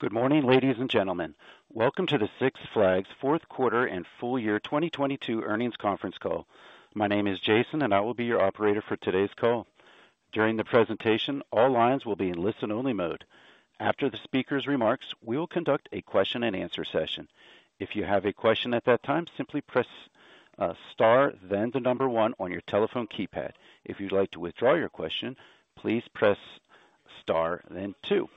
Good morning, ladies and gentlemen. Welcome to the Six Flags fourth quarter and full year 2022 earnings conference call. My name is Jason, and I will be your operator for today's call. During the presentation, all lines will be in listen-only mode. After the speaker's remarks, we will conduct a question-and-answer session. If you have a question at that time, simply press star, then the number one on your telephone keypad. If you'd like to withdraw your question, please press star then two.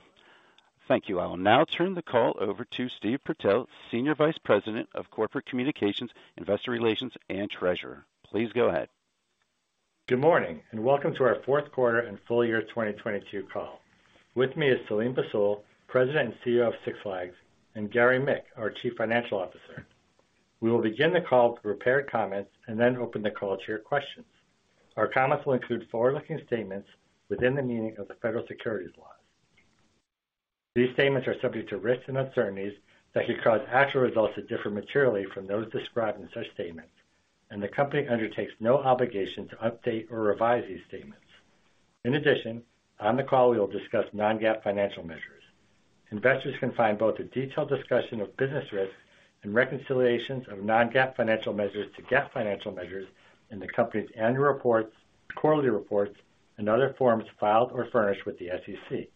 Thank you. I will now turn the call over to Steve Purtell, Senior Vice President of Corporate Communications, Investor Relations, and Treasurer. Please go ahead. Good morning, and welcome to our fourth quarter and full year 2022 call. With me is Selim Bassoul, President and CEO of Six Flags, and Gary Mick, our Chief Financial Officer. We will begin the call to prepare comments and then open the call to your questions. Our comments will include forward-looking statements within the meaning of the Federal Securities laws. These statements are subject to risks and uncertainties that could cause actual results to differ materially from those described in such statements. The company undertakes no obligation to update or revise these statements. In addition, on the call, we will discuss non-GAAP financial measures. Investors can find both a detailed discussion of business risks and reconciliations of non-GAAP financial measures to GAAP financial measures in the company's annual reports, quarterly reports, and other forms filed or furnished with the SEC.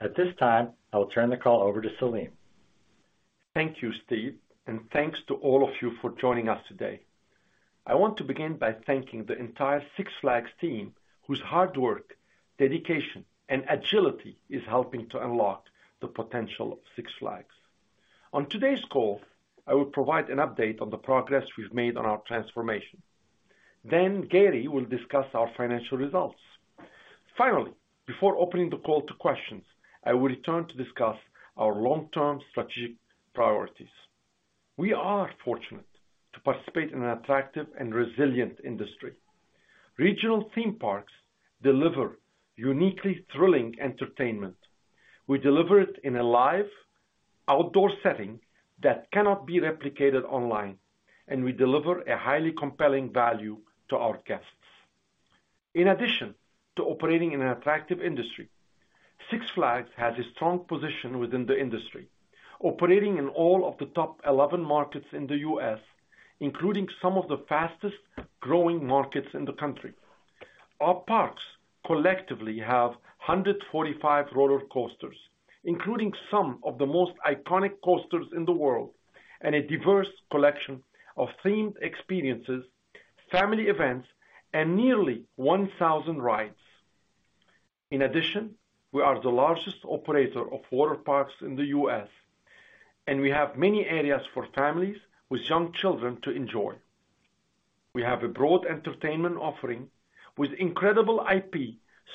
At this time, I will turn the call over to Selim. Thank you, Steve, thanks to all of you for joining us today. I want to begin by thanking the entire Six Flags team, whose hard work, dedication, and agility is helping to unlock the potential of Six Flags. On today's call, I will provide an update on the progress we've made on our transformation. Gary will discuss our financial results. Finally, before opening the call to questions, I will return to discuss our long-term strategic priorities. We are fortunate to participate in an attractive and resilient industry. Regional theme parks deliver uniquely thrilling entertainment. We deliver it in a live outdoor setting that cannot be replicated online, and we deliver a highly compelling value to our guests. In addition to operating in an attractive industry, Six Flags has a strong position within the industry, operating in all of the top 11 markets in the U.S., including some of the fastest-growing markets in the country. Our parks collectively have 145 roller coasters, including some of the most iconic coasters in the world, and a diverse collection of themed experiences, family events, and nearly 1,000 rides. In addition, we are the largest operator of water parks in the U.S., and we have many areas for families with young children to enjoy. We have a broad entertainment offering with incredible IP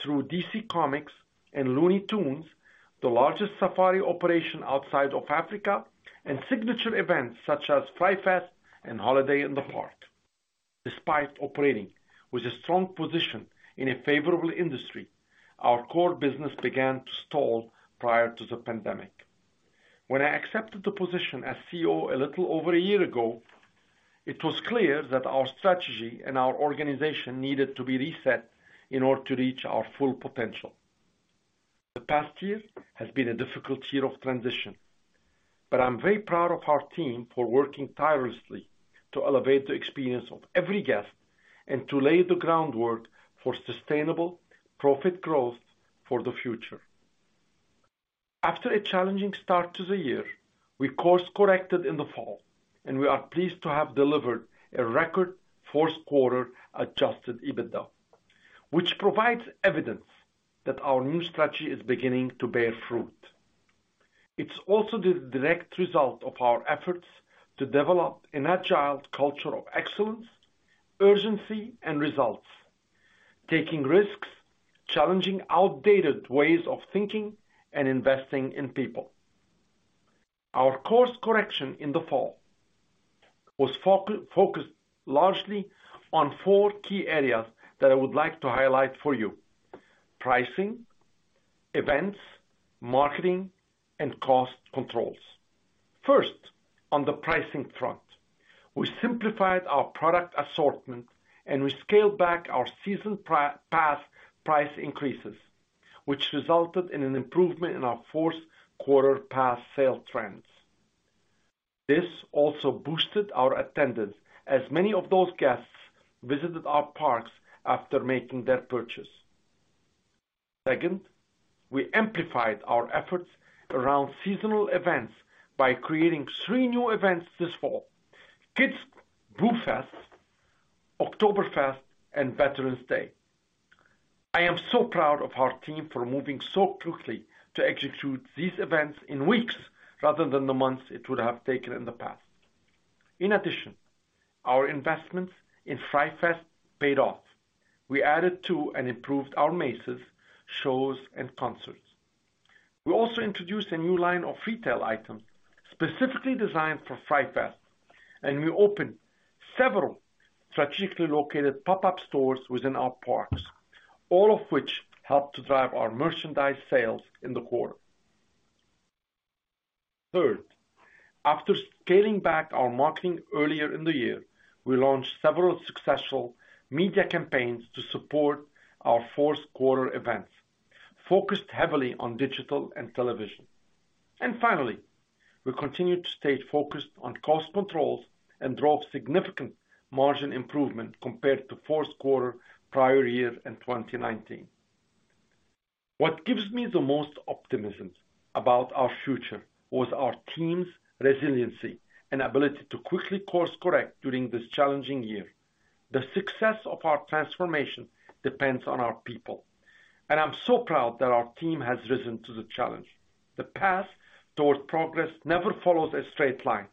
through DC Comics and Looney Tunes, the largest safari operation outside of Africa, and signature events such as Fright Fest and Holiday in the Park. Despite operating with a strong position in a favorable industry, our core business began to stall prior to the pandemic. When I accepted the position as CEO a little over a year ago, it was clear that our strategy and our organization needed to be reset in order to reach our full potential. The past year has been a difficult year of transition. I'm very proud of our team for working tirelessly to elevate the experience of every guest and to lay the groundwork for sustainable profit growth for the future. After a challenging start to the year, we course-corrected in the fall. We are pleased to have delivered a record fourth quarter Adjusted EBITDA, which provides evidence that our new strategy is beginning to bear fruit. It's also the direct result of our efforts to develop an agile culture of excellence, urgency, and results, taking risks, challenging outdated ways of thinking, and investing in people. Our course correction in the fall was focused largely on four key areas that I would like to highlight for you: pricing, events, marketing, and cost controls. First, on the pricing front, we simplified our product assortment. We scaled back our season pass price increases, which resulted in an improvement in our fourth quarter pass sale trends. This also boosted our attendance as many of those guests visited our parks after making that purchase. Second, we amplified our efforts around seasonal events by creating three new events this fall: Kids Boo Fest, Oktoberfest, and Veterans Day. I am so proud of our team for moving so quickly to execute these events in weeks rather than the months it would have taken in the past. In addition, our investments in Fright Fest paid off. We added to and improved our mazes, shows, and concerts. We also introduced a new line of retail items specifically designed for Fright Fest, and we opened several strategically located pop-up stores within our parks, all of which helped to drive our merchandise sales in the quarter. After scaling back our marketing earlier in the year, we launched several successful media campaigns to support our fourth quarter events, focused heavily on digital and television. Finally, we continued to stay focused on cost controls and drove significant margin improvement compared to fourth quarter prior year in 2019. What gives me the most optimism about our future was our team's resiliency and ability to quickly course correct during this challenging year. The success of our transformation depends on our people, and I'm so proud that our team has risen to the challenge. The path towards progress never follows a straight line,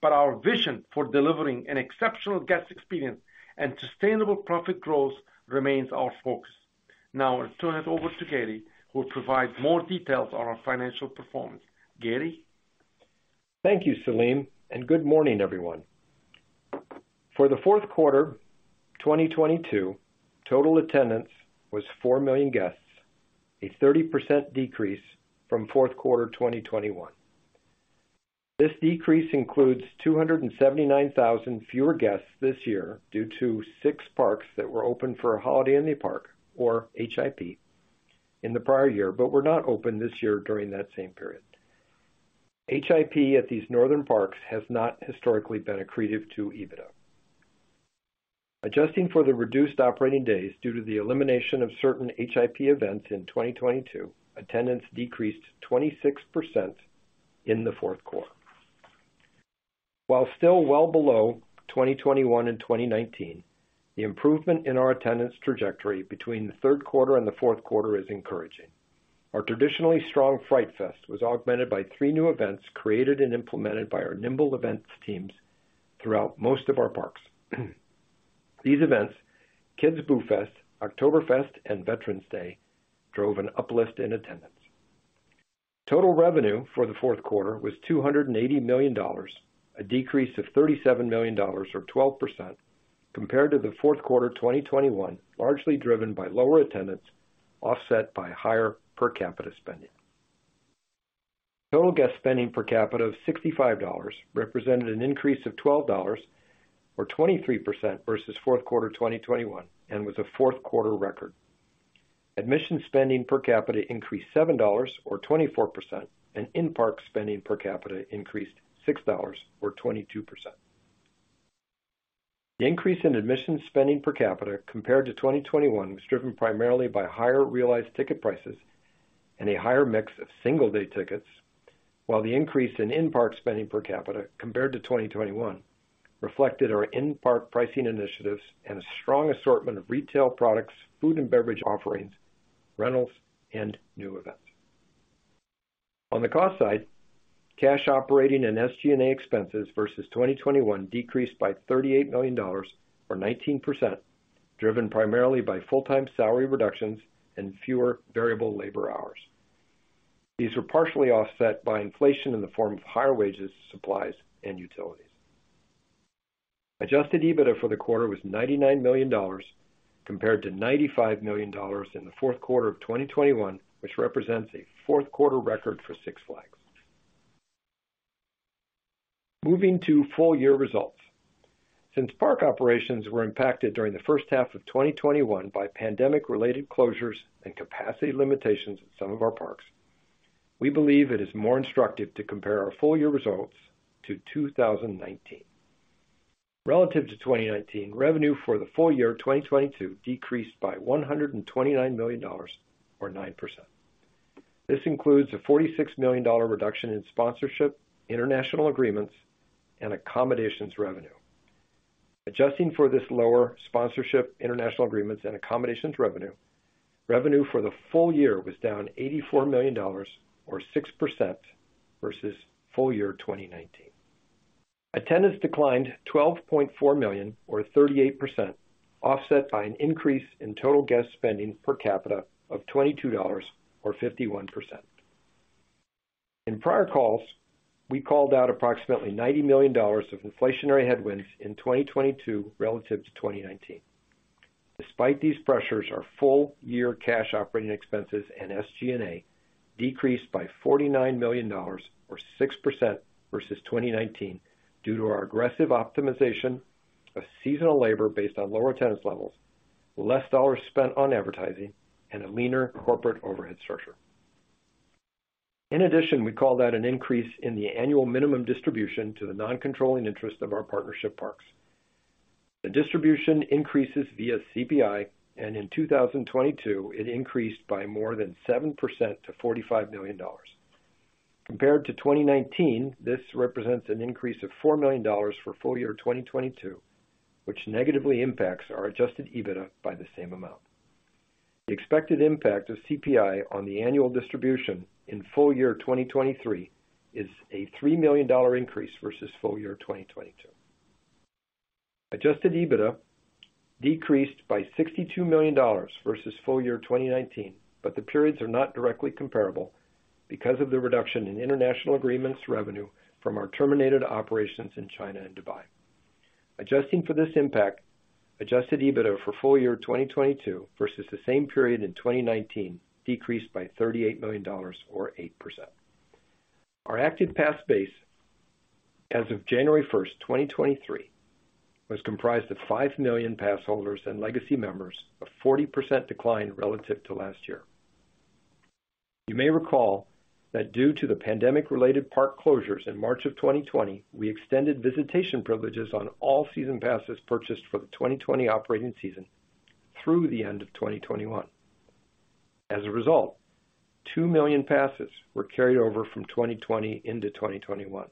but our vision for delivering an exceptional guest experience and sustainable profit growth remains our focus. Now I'll turn it over to Gary, who will provide more details on our financial performance. Gary? Thank you, Selim. Good morning, everyone. For the fourth quarter 2022, total attendance was 4 million guests, a 30% decrease from fourth quarter 2021. This decrease includes 279,000 fewer guests this year due to six parks that were open for a Holiday in the Park, or HIP, in the prior year, but were not open this year during that same period. HIP at these northern parks has not historically been accretive to EBITDA. Adjusting for the reduced operating days due to the elimination of certain HIP events in 2022, attendance decreased 26% in the fourth quarter. While still well below 2021 and 2019, the improvement in our attendance trajectory between the third quarter and the fourth quarter is encouraging. Our traditionally strong Fright Fest was augmented by three new events created and implemented by our nimble events teams throughout most of our parks. These events, Kids Boo Fest, Oktoberfest, and Veterans Day, drove an uplift in attendance. Total revenue for the fourth quarter was $280 million, a decrease of $37 million or 12% compared to the fourth quarter 2021, largely driven by lower attendance, offset by higher per capita spending. Total guest spending per capita of $65 represented an increase of $12 or 23% versus fourth quarter 2021, and was a fourth quarter record. Admission spending per capita increased $7 or 24%, and in-park spending per capita increased $6 or 22%. The increase in admission spending per capita compared to 2021 was driven primarily by higher realized ticket prices and a higher mix of single-day tickets, while the increase in in-park spending per capita compared to 2021 reflected our in-park pricing initiatives and a strong assortment of retail products, food and beverage offerings, rentals, and new events. On the cost side, cash operating and SG&A expenses versus 2021 decreased by $38 million or 19%, driven primarily by full-time salary reductions and fewer variable labor hours. These were partially offset by inflation in the form of higher wages, supplies, and utilities. Adjusted EBITDA for the quarter was $99 million compared to $95 million in the fourth quarter of 2021, which represents a fourth quarter record for Six Flags. Moving to full year results. Since park operations were impacted during the first half of 2021 by pandemic-related closures and capacity limitations at some of our parks, we believe it is more instructive to compare our full year results to 2019. Relative to 2019, revenue for the full year 2022 decreased by $129 million or 9%. This includes a $46 million reduction in sponsorship, international agreements, and accommodations revenue. Adjusting for this lower sponsorship, international agreements, and accommodations revenue for the full year was down $84 million or 6% versus full year 2019. Attendance declined 12.4 million or 38%, offset by an increase in total guest spending per capita of $22 or 51%. In prior calls, we called out approximately $90 million of inflationary headwinds in 2022 relative to 2019. Despite these pressures, our full year cash operating expenses and SG&A decreased by $49 million or 6% versus 2019 due to our aggressive optimization of seasonal labor based on lower attendance levels, less dollars spent on advertising, and a leaner corporate overhead structure. We call that an increase in the annual minimum distribution to the non-controlling interest of our partnership parks. The distribution increases via CPI, and in 2022, it increased by more than 7% to $45 million. Compared to 2019, this represents an increase of $4 million for full year 2022, which negatively impacts our Adjusted EBITDA by the same amount. The expected impact of CPI on the annual distribution in full year 2023 is a $3 million increase versus full year 2022. Adjusted EBITDA decreased by $62 million versus full year 2019. The periods are not directly comparable because of the reduction in international agreements revenue from our terminated operations in China and Dubai. Adjusting for this impact, Adjusted EBITDA for full year 2022 versus the same period in 2019 decreased by $38 million or 8%. Our active pass base as of January 1st, 2023, was comprised of 5 million pass holders and legacy members, a 40% decline relative to last year. You may recall that due to the pandemic-related park closures in March of 2020, we extended visitation privileges on all season passes purchased for the 2020 operating season through the end of 2021. As a result, 2 million passes were carried over from 2020 into 2021.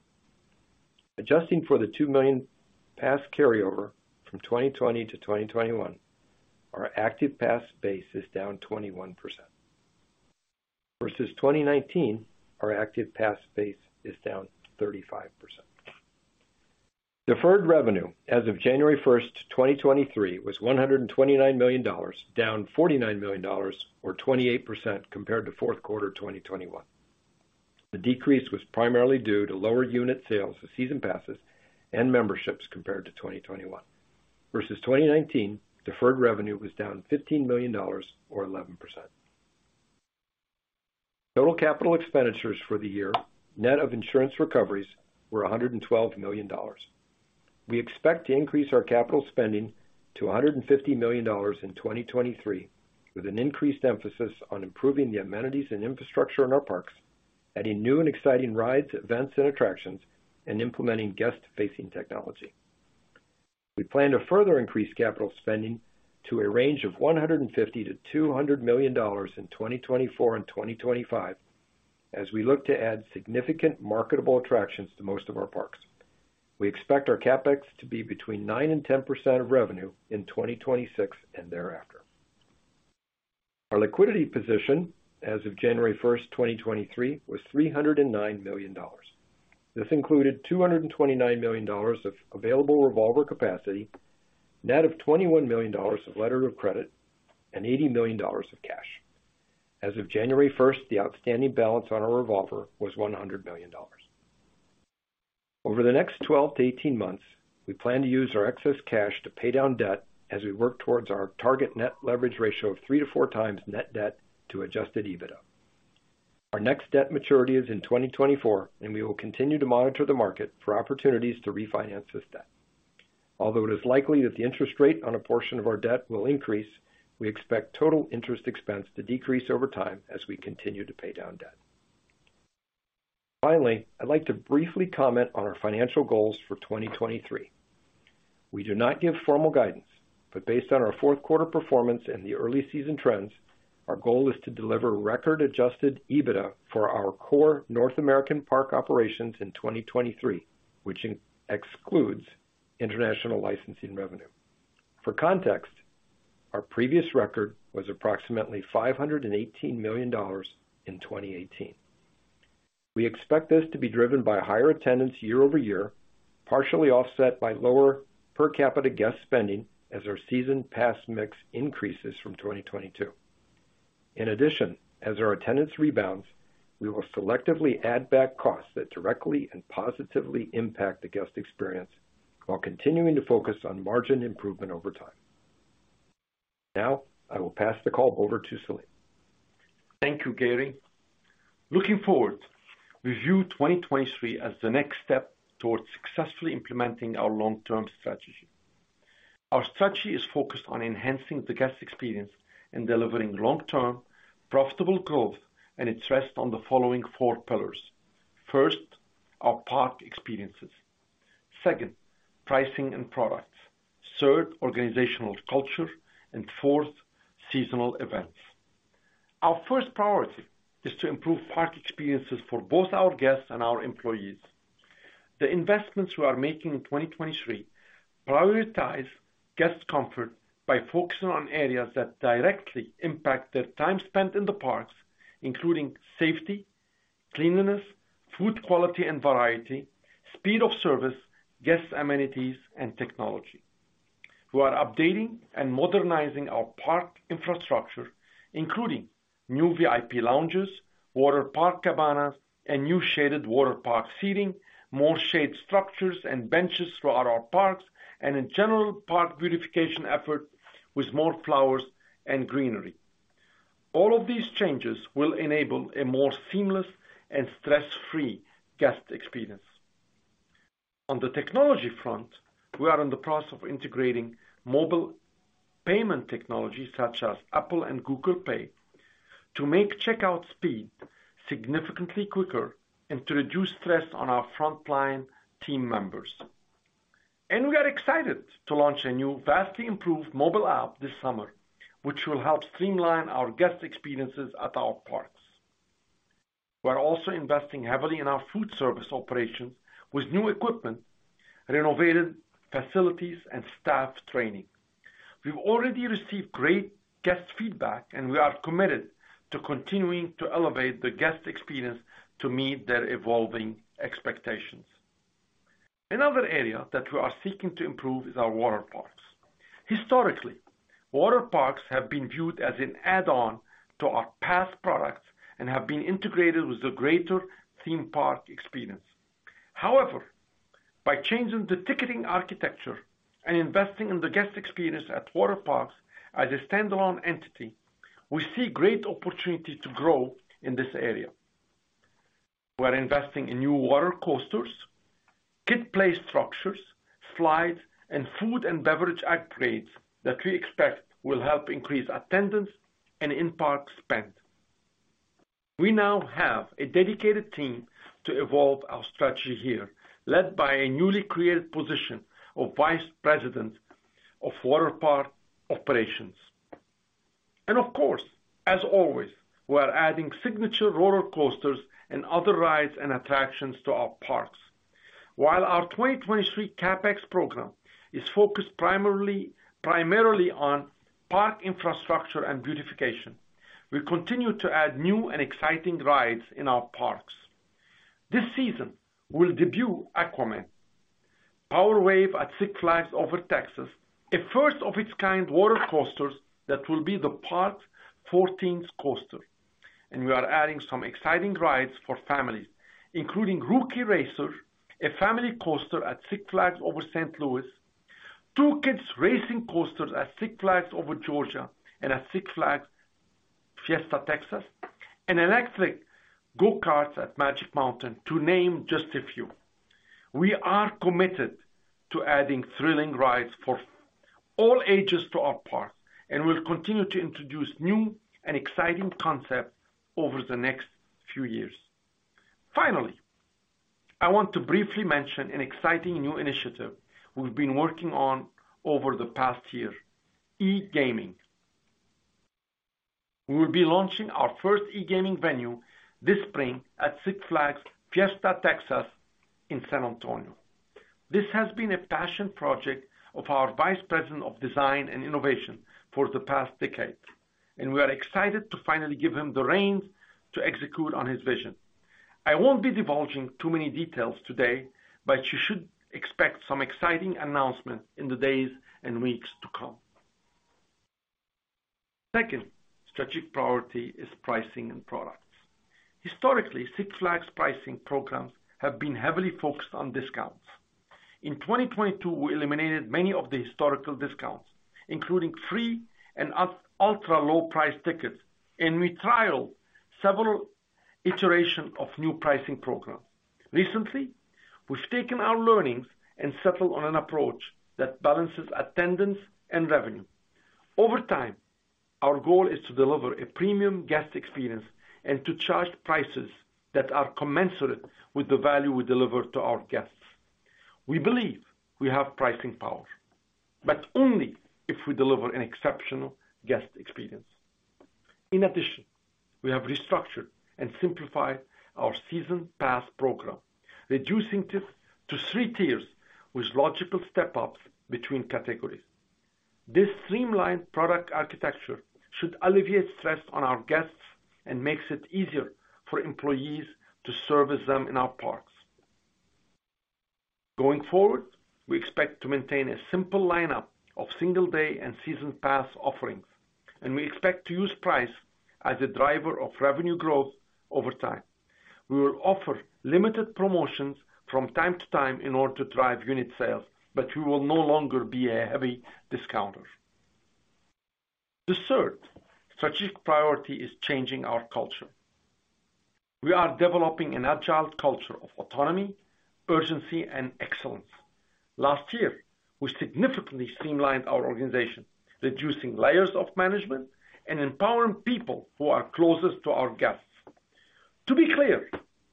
Adjusting for the 2 million pass carryover from 2020 to 2021, our active pass base is down 21%. Versus 2019, our active pass base is down 35%. Deferred revenue as of January first, 2023, was $129 million, down $49 million or 28% compared to fourth quarter 2021. The decrease was primarily due to lower unit sales of season passes and memberships compared to 2021. Versus 2019, deferred revenue was down $15 million or 11%. Total capital expenditures for the year, net of insurance recoveries, were $112 million. We expect to increase our capital spending to $150 million in 2023, with an increased emphasis on improving the amenities and infrastructure in our parks, adding new and exciting rides, events, and attractions, and implementing guest-facing technology. We plan to further increase capital spending to a range of $150 million-$200 million in 2024 and 2025 as we look to add significant marketable attractions to most of our parks. We expect our CapEx to be between 9% and 10% of revenue in 2026 and thereafter. Our liquidity position as of January 1st, 2023, was $309 million. This included $229 million of available revolver capacity, net of $21 million of letter of credit, and $80 million of cash. As of January 1st, the outstanding balance on our revolver was $100 million. Over the next 12 to 18 months, we plan to use our excess cash to pay down debt as we work towards our target net leverage ratio of 3x-4x net debt to Adjusted EBITDA. Our next debt maturity is in 2024, and we will continue to monitor the market for opportunities to refinance this debt. Although it is likely that the interest rate on a portion of our debt will increase, we expect total interest expense to decrease over time as we continue to pay down debt. Finally, I'd like to briefly comment on our financial goals for 2023. We do not give formal guidance, but based on our fourth quarter performance and the early season trends, our goal is to deliver record Adjusted EBITDA for our core North American park operations in 2023, which excludes international licensing revenue. For context, our previous record was approximately $518 million in 2018. We expect this to be driven by higher attendance year-over-year, partially offset by lower per capita guest spending as our season pass mix increases from 2022. In addition, as our attendance rebounds, we will selectively add back costs that directly and positively impact the guest experience while continuing to focus on margin improvement over time. Now, I will pass the call over to Selim. Thank you, Gary. Looking forward, we view 2023 as the next step towards successfully implementing our long-term strategy. Our strategy is focused on enhancing the guest experience and delivering long-term profitable growth, it's rests on the following 4 pillars. First, our park experiences. Second, pricing and products. Third, organizational culture, and fourth, seasonal events. Our first priority is to improve park experiences for both our guests and our employees. The investments we are making in 2023 prioritize guest comfort by focusing on areas that directly impact their time spent in the parks, including safety, cleanliness, food quality and variety, speed of service, guest amenities, and technology. We are updating and modernizing our park infrastructure, including new VIP lounges, water park cabanas, and new shaded water park seating, more shade structures and benches throughout our parks, and in general, park beautification effort with more flowers and greenery. All of these changes will enable a more seamless and stress-free guest experience. On the technology front, we are in the process of integrating mobile payment technologies such as Apple and Google Pay to make checkout speed significantly quicker and to reduce stress on our frontline team members. We are excited to launch a new, vastly improved mobile app this summer, which will help streamline our guest experiences at our parks. We've already received great guest feedback and we are committed to continuing to elevate the guest experience to meet their evolving expectations. Another area that we are seeking to improve is our water parks. Historically, water parks have been viewed as an add-on to our past products and have been integrated with the greater theme park experience. By changing the ticketing architecture and investing in the guest experience at water parks as a standalone entity, we see great opportunity to grow in this area. We're investing in new water coasters, kid play structures, slides, and food and beverage upgrades that we expect will help increase attendance and in-park spend. We now have a dedicated team to evolve our strategy here, led by a newly created position of Vice President of Water Park Operations. Of course, as always, we are adding signature roller coasters and other rides and attractions to our parks. While our 2023 CapEx program is focused primarily on park infrastructure and beautification, we continue to add new and exciting rides in our parks. This season, we'll debut Aquaman: Power Wave at Six Flags Over Texas, a first-of-its-kind water coaster that will be the park 14th coaster. We are adding some exciting rides for families, including Rookie Racer, a family coaster at Six Flags St. Louis, 2 Kids Racing Coasters at Six Flags Over Georgia and at Six Flags Fiesta Texas, and electric go-karts at Magic Mountain, to name just a few. We are committed to adding thrilling rides for all ages to our parks, and we'll continue to introduce new and exciting concepts over the next few years. Finally, I want to briefly mention an exciting new initiative we've been working on over the past year: e-gaming. We will be launching our first e-gaming venue this spring at Six Flags Fiesta Texas in San Antonio. This has been a passion project of our Vice President of Design and Innovation for the past decade. We are excited to finally give him the reins to execute on his vision. I won't be divulging too many details today, but you should expect some exciting announcements in the days and weeks to come. Second strategic priority is pricing and products. Historically, Six Flags pricing programs have been heavily focused on discounts. In 2022, we eliminated many of the historical discounts, including free and ultra-low price tickets. We trialed several iterations of new pricing programs. Recently, we've taken our learnings and settled on an approach that balances attendance and revenue. Over time, our goal is to deliver a premium guest experience and to charge prices that are commensurate with the value we deliver to our guests. We believe we have pricing power, but only if we deliver an exceptional guest experience. In addition, we have restructured and simplified our season pass program, reducing to three tiers with logical step-ups between categories. This streamlined product architecture should alleviate stress on our guests and makes it easier for employees to service them in our parks. Going forward, we expect to maintain a simple lineup of single day and season pass offerings, and we expect to use price as a driver of revenue growth over time. We will offer limited promotions from time to time in order to drive unit sales, but we will no longer be a heavy discounter. The third strategic priority is changing our culture. We are developing an agile culture of autonomy, urgency, and excellence. Last year, we significantly streamlined our organization, reducing layers of management and empowering people who are closest to our guests. To be clear,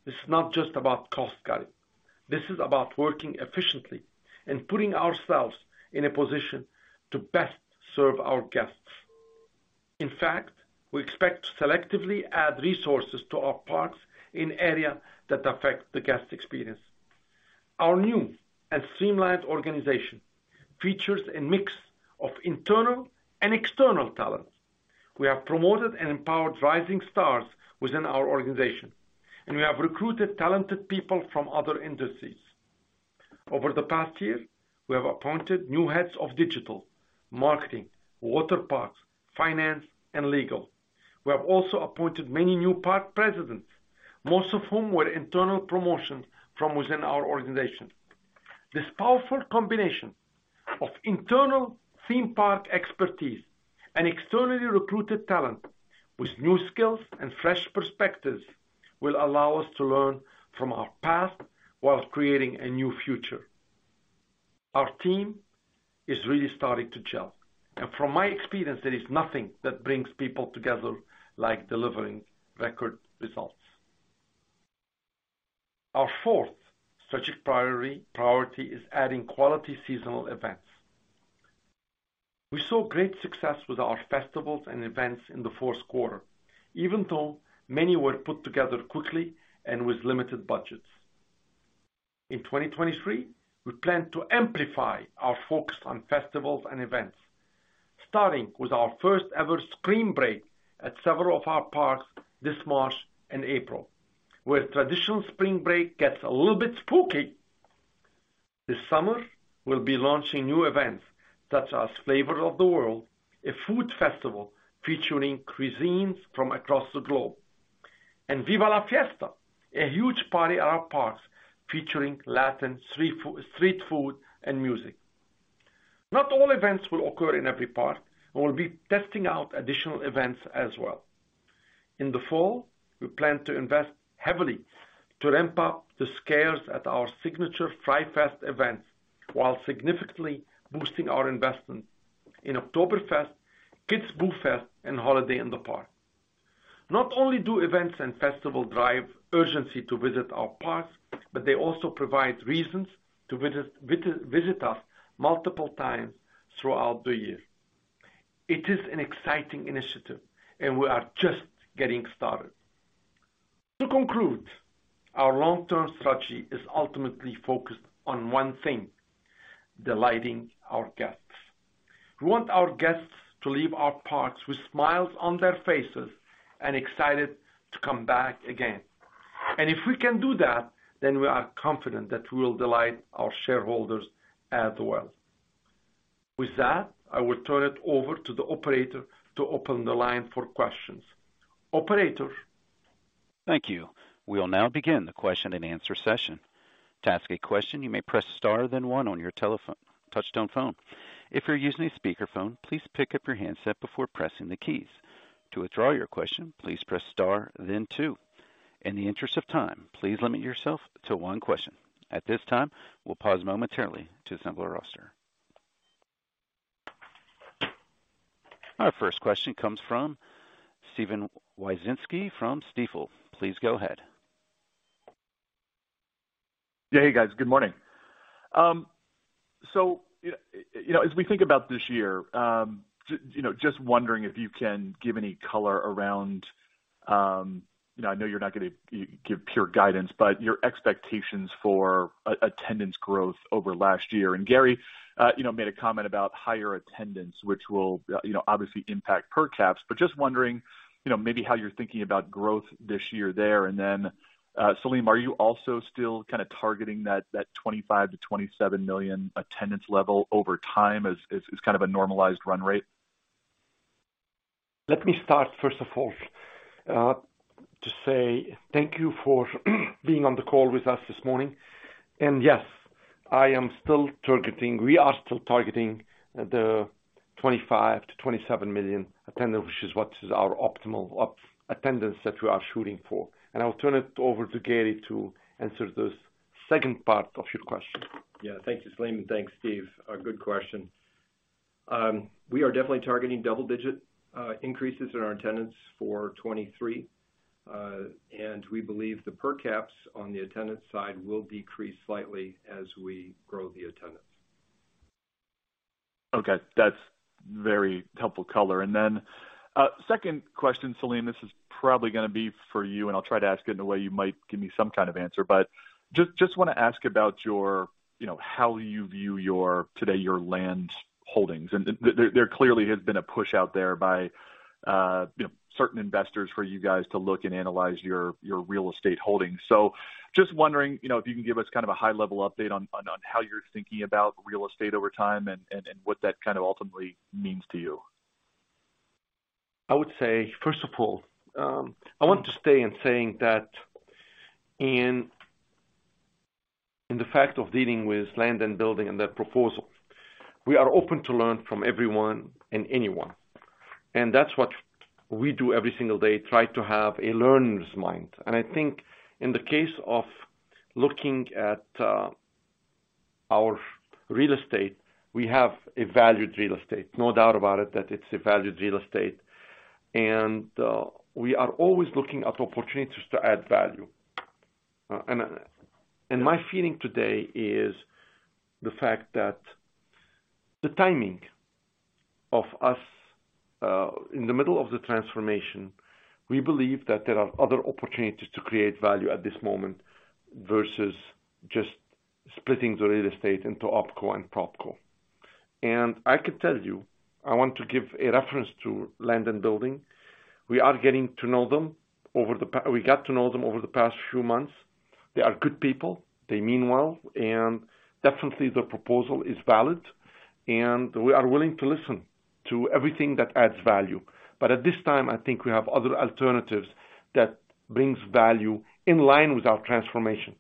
this is not just about cost-cutting. This is about working efficiently and putting ourselves in a position to best serve our guests. In fact, we expect to selectively add resources to our parks in areas that affect the guest experience. Our new and streamlined organization features a mix of internal and external talent. We have promoted and empowered rising stars within our organization, and we have recruited talented people from other industries. Over the past year, we have appointed new heads of digital, marketing, water parks, finance, and legal. We have also appointed many new park presidents, most of whom were internal promotions from within our organization. This powerful combination of internal theme park expertise and externally recruited talent with new skills and fresh perspectives will allow us to learn from our past while creating a new future. Our team is really starting to gel. From my experience, there is nothing that brings people together like delivering record results. Our fourth strategic priority is adding quality seasonal events. We saw great success with our festivals and events in the fourth quarter, even though many were put together quickly and with limited budgets. In 2023, we plan to amplify our focus on festivals and events. Starting with our first ever Spring Break at several of our parks this March and April, where traditional Spring Break gets a little bit spooky. This summer, we'll be launching new events such as Flavors of the World, a food festival featuring cuisines from across the globe. Viva La Fiesta, a huge party at our parks featuring Latin street food and music. Not all events will occur in every park. We will be testing out additional events as well. In the fall, we plan to invest heavily to ramp up the scales at our signature Fright Fest event, while significantly boosting our investment in Oktoberfest, Kids Boo Fest, and Holiday in the Park. Not only do events and festival drive urgency to visit our parks, but they also provide reasons to visit us multiple times throughout the year. It is an exciting initiative, and we are just getting started. To conclude, our long-term strategy is ultimately focused on one thing, delighting our guests. We want our guests to leave our parks with smiles on their faces and excited to come back again. If we can do that, then we are confident that we will delight our shareholders as well. With that, I will turn it over to the operator to open the line for questions. Operator? Thank you. We will now begin the question and answer session. To ask a question, you may press star then one on your touch-tone phone. If you're using a speakerphone, please pick up your handset before pressing the keys. To withdraw your question, please press star then two. In the interest of time, please limit yourself to one question. At this time, we'll pause momentarily to assemble our roster. Our first question comes from Steven Wieczynski from Stifel. Please go ahead. Yeah. Hey, guys. Good morning. You know, as we think about this year, you know, just wondering if you can give any color around, you know, I know you're not gonna give pure guidance, but your expectations for attendance growth over last year. Gary, you know, made a comment about higher attendance, which will, you know, obviously impact per caps. Just wondering, you know, maybe how you're thinking about growth this year there. Selim, are you also still kinda targeting that 25 million-27 million attendance level over time as kind of a normalized run rate? Let me start first of all, to say thank you for being on the call with us this morning. Yes, We are still targeting the 25 million-27 million attendance, which is what is our optimal attendance that we are shooting for. I will turn it over to Gary to answer the second part of your question. Yeah. Thank you, Selim. Thanks, Steve. Good question. We are definitely targeting double-digit increases in our attendance for 2023. We believe the per caps on the attendance side will decrease slightly as we grow the attendance. Okay. That's very helpful color. Then, second question, Selim, this is probably gonna be for you, and I'll try to ask it in a way you might give me some kind of answer. Just wanna ask about your, you know, how you view your today, your land holdings. There clearly has been a push out there by, you know, certain investors for you guys to look and analyze your real estate holdings. Just wondering, you know, if you can give us kind of a high-level update on how you're thinking about real estate over time and what that kind of ultimately means to you. I would say, first of all, I want to stay in saying that in the fact of dealing with Land & Buildings and that proposal, we are open to learn from everyone and anyone. That's what we do every single day, try to have a learner's mind. I think in the case of looking at our real estate, we have a valued real estate. No doubt about it that it's a valued real estate. We are always looking at opportunities to add value. My feeling today is the fact that the timing of us in the middle of the transformation, we believe that there are other opportunities to create value at this moment versus just splitting the real estate into OpCo and PropCo. I could tell you, I want to give a reference to Land & Buildings. We got to know them over the past few months. They are good people. They mean well, and definitely the proposal is valid, and we are willing to listen to everything that adds value. At this time, I think we have other alternatives that brings value in line with our transformation.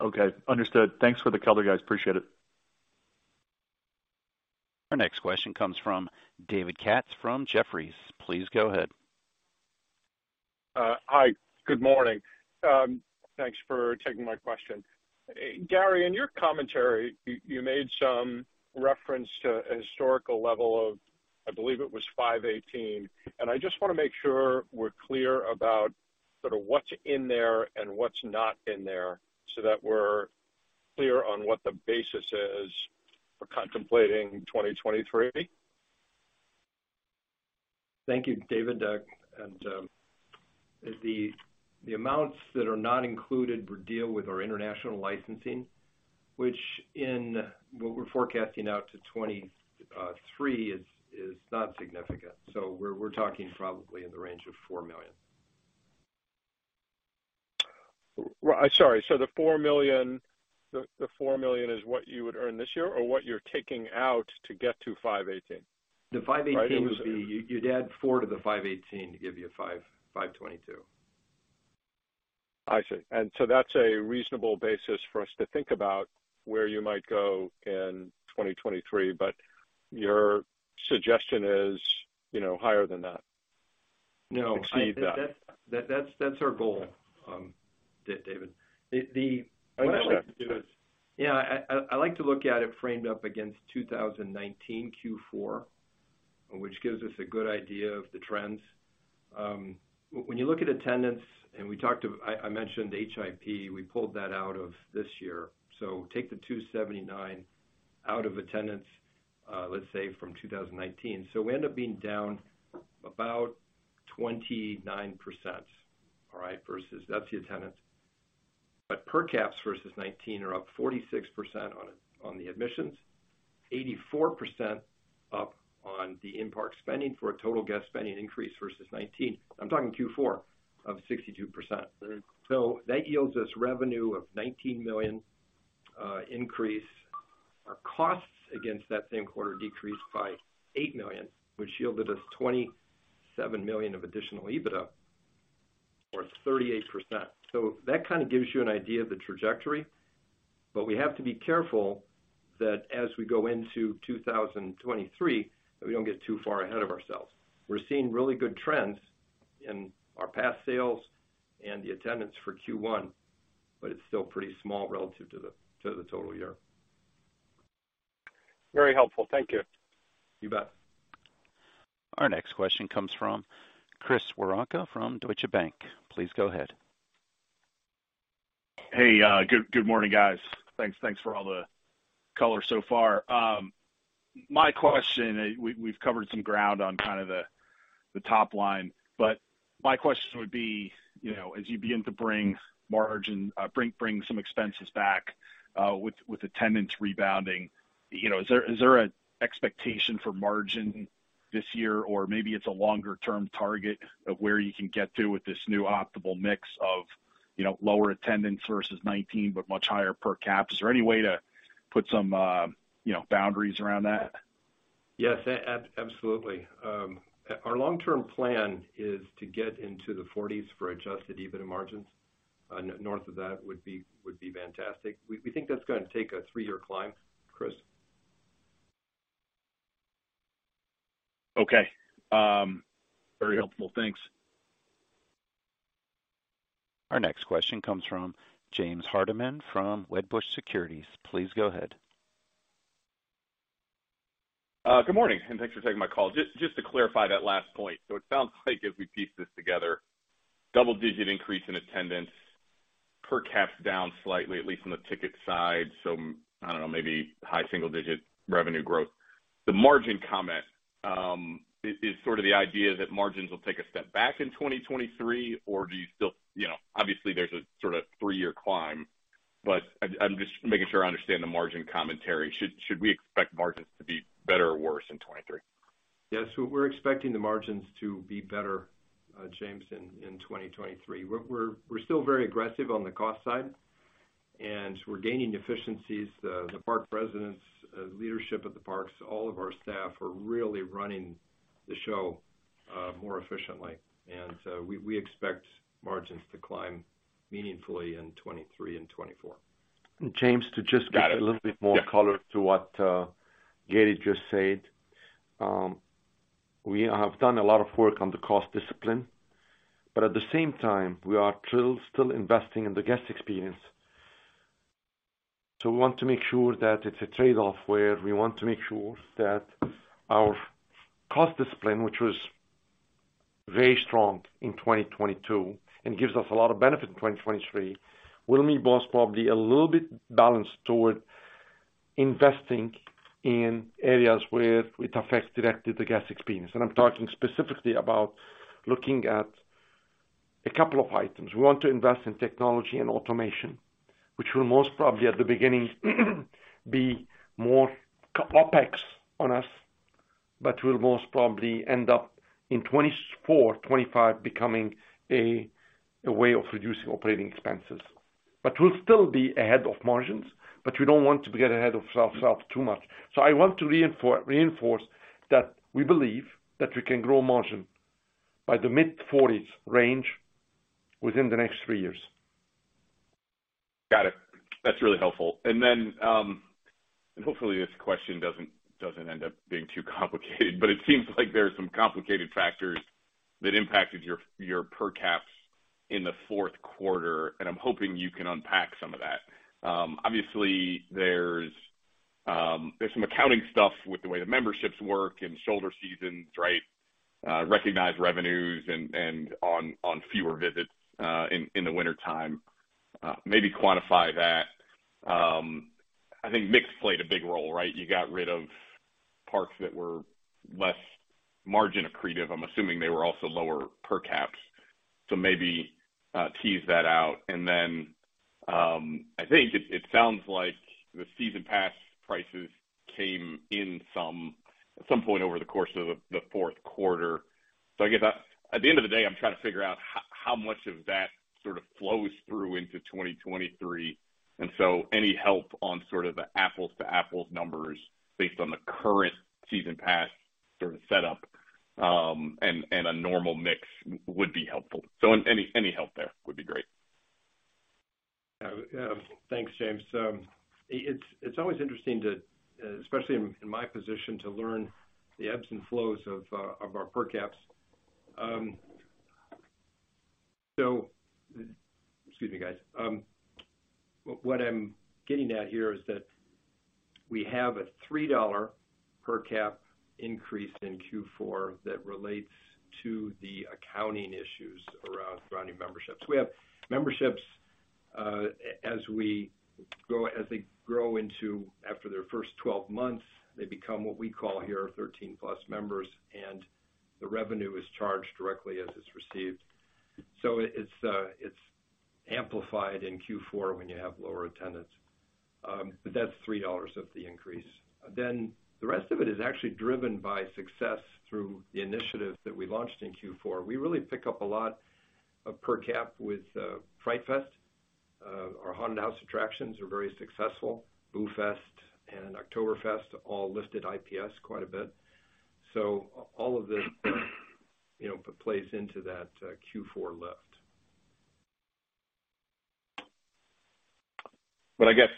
Okay. Understood. Thanks for the color, guys. Appreciate it. Our next question comes from David Katz from Jefferies. Please go ahead. Hi. Good morning. Thanks for taking my question. Gary, in your commentary, you made some reference to a historical level of, I believe it was $5.18. I just wanna make sure we're clear about sort of what's in there and what's not in there, so that we're clear on what the basis is for contemplating 2023. Thank you, David. The amounts that are not included would deal with our international licensing, which in what we're forecasting out to 2023 is not significant. We're talking probably in the range of $4 million. Well, sorry. The $4 million is what you would earn this year or what you're taking out to get to $518? The 518- Right? Would be you'd add 4 to the 518 to give you 522. I see. That's a reasonable basis for us to think about where you might go in 2023, but your suggestion is, you know, higher than that. No. Exceed that. That's our goal. Yeah. David. I understand. I like to look at it framed up against 2019 Q4, which gives us a good idea of the trends. When you look at attendance, we talked, I mentioned HIP, we pulled that out of this year. Take the 279 out of attendance, let's say, from 2019. We end up being down about 29%. All right? Versus that's the attendance. Per caps versus 2019 are up 46% on the admissions. 84% up on the in-park spending for a total guest spending increase versus 2019. I'm talking Q4 of 62%. That yields us revenue of $19 million increase. Our costs against that same quarter decreased by $8 million, which yielded us $27 million of additional EBITDA, or 38%. That kind of gives you an idea of the trajectory. We have to be careful that as we go into 2023, that we don't get too far ahead of ourselves. We're seeing really good trends in our past sales and the attendance for Q1, but it's still pretty small relative to the total year. Very helpful. Thank you. You bet. Our next question comes from Chris Woronka from Deutsche Bank. Please go ahead. Hey, good morning, guys. Thanks for all the color so far. My question, we've covered some ground on kind of the top line, but my question would be, you know, as you begin to bring margin, bring some expenses back, with attendance rebounding, you know, is there a expectation for margin this year or maybe it's a longer-term target of where you can get to with this new optimal mix of, you know, lower attendance versus 2019 but much higher per cap? Is there any way to put some, you know, boundaries around that? Yes, absolutely. Our long-term plan is to get into the 40s for Adjusted EBITDA margins. North of that would be fantastic. We think that's gonna take a 3-year climb, Chris. Okay. very helpful. Thanks. Our next question comes from James Hardiman from Wedbush Securities. Please go ahead. Good morning, thanks for taking my call. Just to clarify that last point. It sounds like as we piece this together, double-digit increase in attendance, per caps down slightly, at least on the ticket side, I don't know, maybe high single digit revenue growth. The margin comment, is sort of the idea that margins will take a step back in 2023 or do you still, you know, obviously there's a sort of 3-year climb, but I'm just making sure I understand the margin commentary? Should we expect margins to be better or worse in 2023? Yes. We're expecting the margins to be better, James, in 2023. We're still very aggressive on the cost side, and we're gaining efficiencies. The park presidents, leadership of the parks, all of our staff are really running the show, more efficiently. We expect margins to climb meaningfully in 2023 and 2024. James, just to- Got it. Give a little bit more color to what Gary just said. We have done a lot of work on the cost discipline, at the same time, we are still investing in the guest experience. We want to make sure that it's a trade-off where we want to make sure that our cost discipline, which was very strong in 2022 and gives us a lot of benefit in 2023, will be most probably a little bit balanced toward investing in areas where it affects directly the guest experience. I'm talking specifically about looking at a couple of items. We want to invest in technology and automation, which will most probably at the beginning be more CapEx on us, but will most probably end up in 2024, 2025 becoming a way of reducing operating expenses. We'll still be ahead of margins, but we don't want to get ahead of ourselves too much. I want to reinforce that we believe that we can grow margin by the mid-40s range within the next 3 years. Got it. That's really helpful. Then, hopefully this question doesn't end up being too complicated, but it seems like there are some complicated factors that impacted your per caps in the fourth quarter, and I'm hoping you can unpack some of that. Obviously there's some accounting stuff with the way the memberships work and shoulder seasons, right? Recognize revenues on fewer visits in the wintertime. Maybe quantify that. I think mix played a big role, right? You got rid of parks that were less margin accretive. I'm assuming they were also lower per caps. Maybe tease that out. Then, I think it sounds like the season pass prices came in some, at some point over the course of the fourth quarter. I guess at the end of the day, I'm trying to figure out how much of that sort of flows through into 2023. Any help on sort of the apples to apples numbers based on the current season pass sort of set up, and a normal mix would be helpful. Any help there would be great. Thanks, James. It's always interesting to, especially in my position, to learn the ebbs and flows of our per caps. Excuse me, guys. What I'm getting at here is that we have a $3 per cap increase in Q4 that relates to the accounting issues around rounding memberships. We have memberships, as they grow into after their first 12 months, they become what we call here 13-plus members, and the revenue is charged directly as it's received. It's amplified in Q4 when you have lower attendance. That's $3 of the increase. The rest of it is actually driven by success through the initiatives that we launched in Q4. We really pick up a lot of per cap with Fright Fest. Our haunted house attractions are very successful. Boo Fests and Oktoberfest all lifted IPS quite a bit. All of this, you know, plays into that Q4 lift. I guess,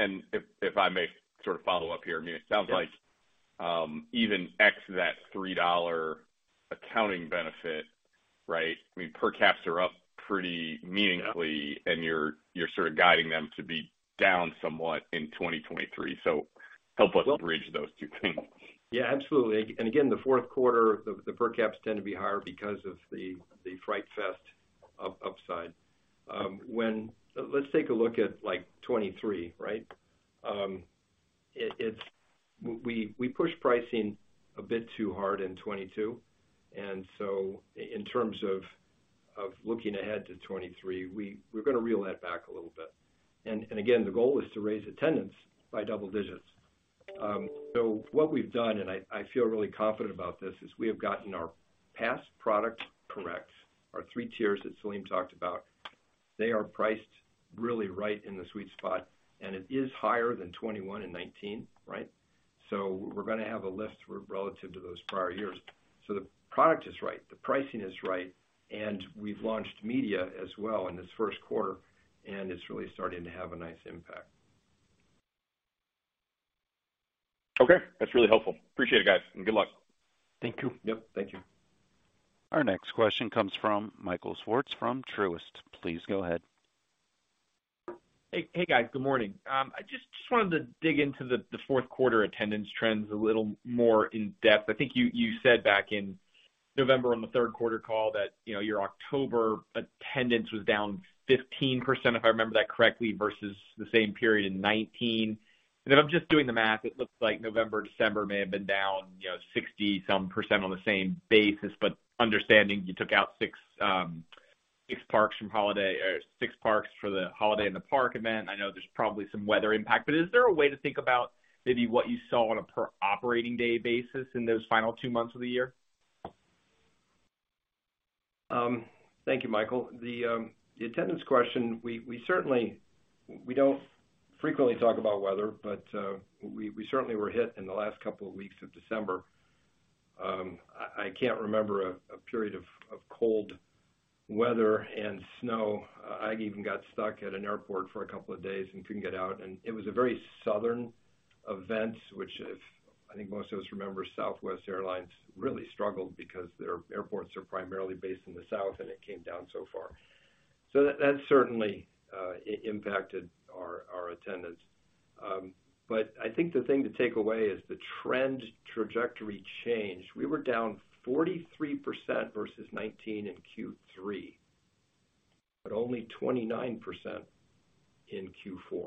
and if I may sort of follow up here, I mean, it sounds like. Yeah. Even X that $3 accounting benefit, right? I mean, per caps are up pretty meaningfully. Yeah. You're, you're sort of guiding them to be down somewhat in 2023. Help us bridge those two things. Yeah, absolutely. Again, the fourth quarter, the per caps tend to be higher because of the Fright Fest upside. Let's take a look at, like, 2023, right? We pushed pricing a bit too hard in 2022. In terms of looking ahead to 2023, we're gonna reel that back a little bit. Again, the goal is to raise attendance by double digits. What we've done, and I feel really confident about this, is we have gotten our pass product correct. Our three tiers that Selim talked about, they are priced really right in the sweet spot, and it is higher than 2021 and 2019, right? We're gonna have a lift relative to those prior years. The product is right, the pricing is right, and we've launched media as well in this first quarter, and it's really starting to have a nice impact. Okay. That's really helpful. Appreciate it, guys, and good luck. Thank you. Yep. Thank you. Our next question comes from Michael Swartz from Truist. Please go ahead. Hey guys. Good morning. I just wanted to dig into the fourth quarter attendance trends a little more in-depth. I think you said back in November on the third quarter call that, you know, your October attendance was down 15%, if I remember that correctly, versus the same period in 2019. If I'm just doing the math, it looks like November, December may have been down, you know, 60% some on the same basis, but understanding you took out 6 parks from Holiday in the Park or 6 parks for the Holiday in the Park event. I know there's probably some weather impact, but is there a way to think about maybe what you saw on a per operating day basis in those final two months of the year? Thank you, Michael. The attendance question, we certainly don't frequently talk about weather, but we certainly were hit in the last couple of weeks of December. I can't remember a period of cold weather and snow. I even got stuck at an airport for a couple of days and couldn't get out. It was a very southern event, which if, I think most of us remember, Southwest Airlines really struggled because their airports are primarily based in the south, and it came down so far. That certainly impacted our attendance. I think the thing to take away is the trend trajectory change. We were down 43% versus 2019 in Q3, but only 29% in Q4.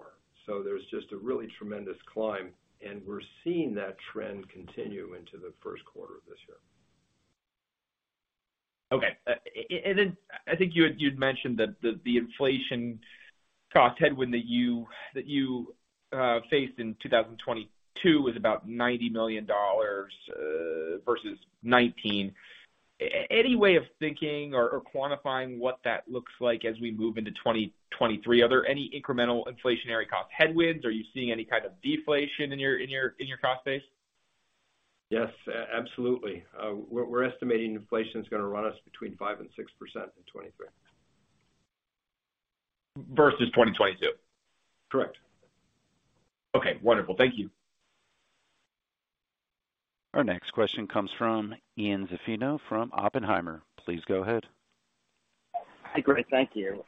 There's just a really tremendous climb, and we're seeing that trend continue into the first quarter of this year. Okay. I think you'd mentioned that the inflation cost headwind that you faced in 2022 was about $90 million versus 2019. Any way of thinking or quantifying what that looks like as we move into 2023? Are there any incremental inflationary cost headwinds? Are you seeing any kind of deflation in your cost base? Yes, absolutely. We're estimating inflation is gonna run us between 5% and 6% in 2023. Versus 2022? Correct. Okay, wonderful. Thank you. Our next question comes from Ian Zaffino from Oppenheimer. Please go ahead. Hi, great. Thank you.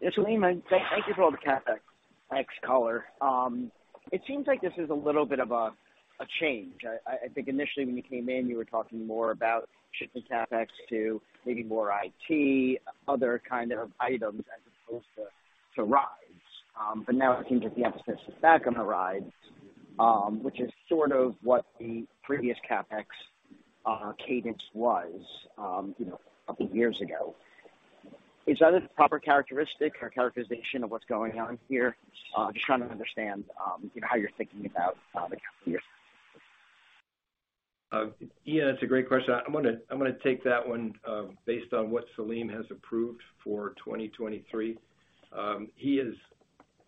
Yeah, Selim, thank you for all the CapEx color. It seems like this is a little bit of a change. I think initially when you came in, you were talking more about shifting CapEx to maybe more IT, other kind of items as opposed to rides. Now it seems like the emphasis is back on the rides. Which is sort of what the previous CapEx cadence was, you know, a couple years ago. Is that a proper characteristic or characterization of what's going on here? Just trying to understand, you know, how you're thinking about the coming years. Ian, that's a great question. I'm gonna take that one, based on what Selim has approved for 2023.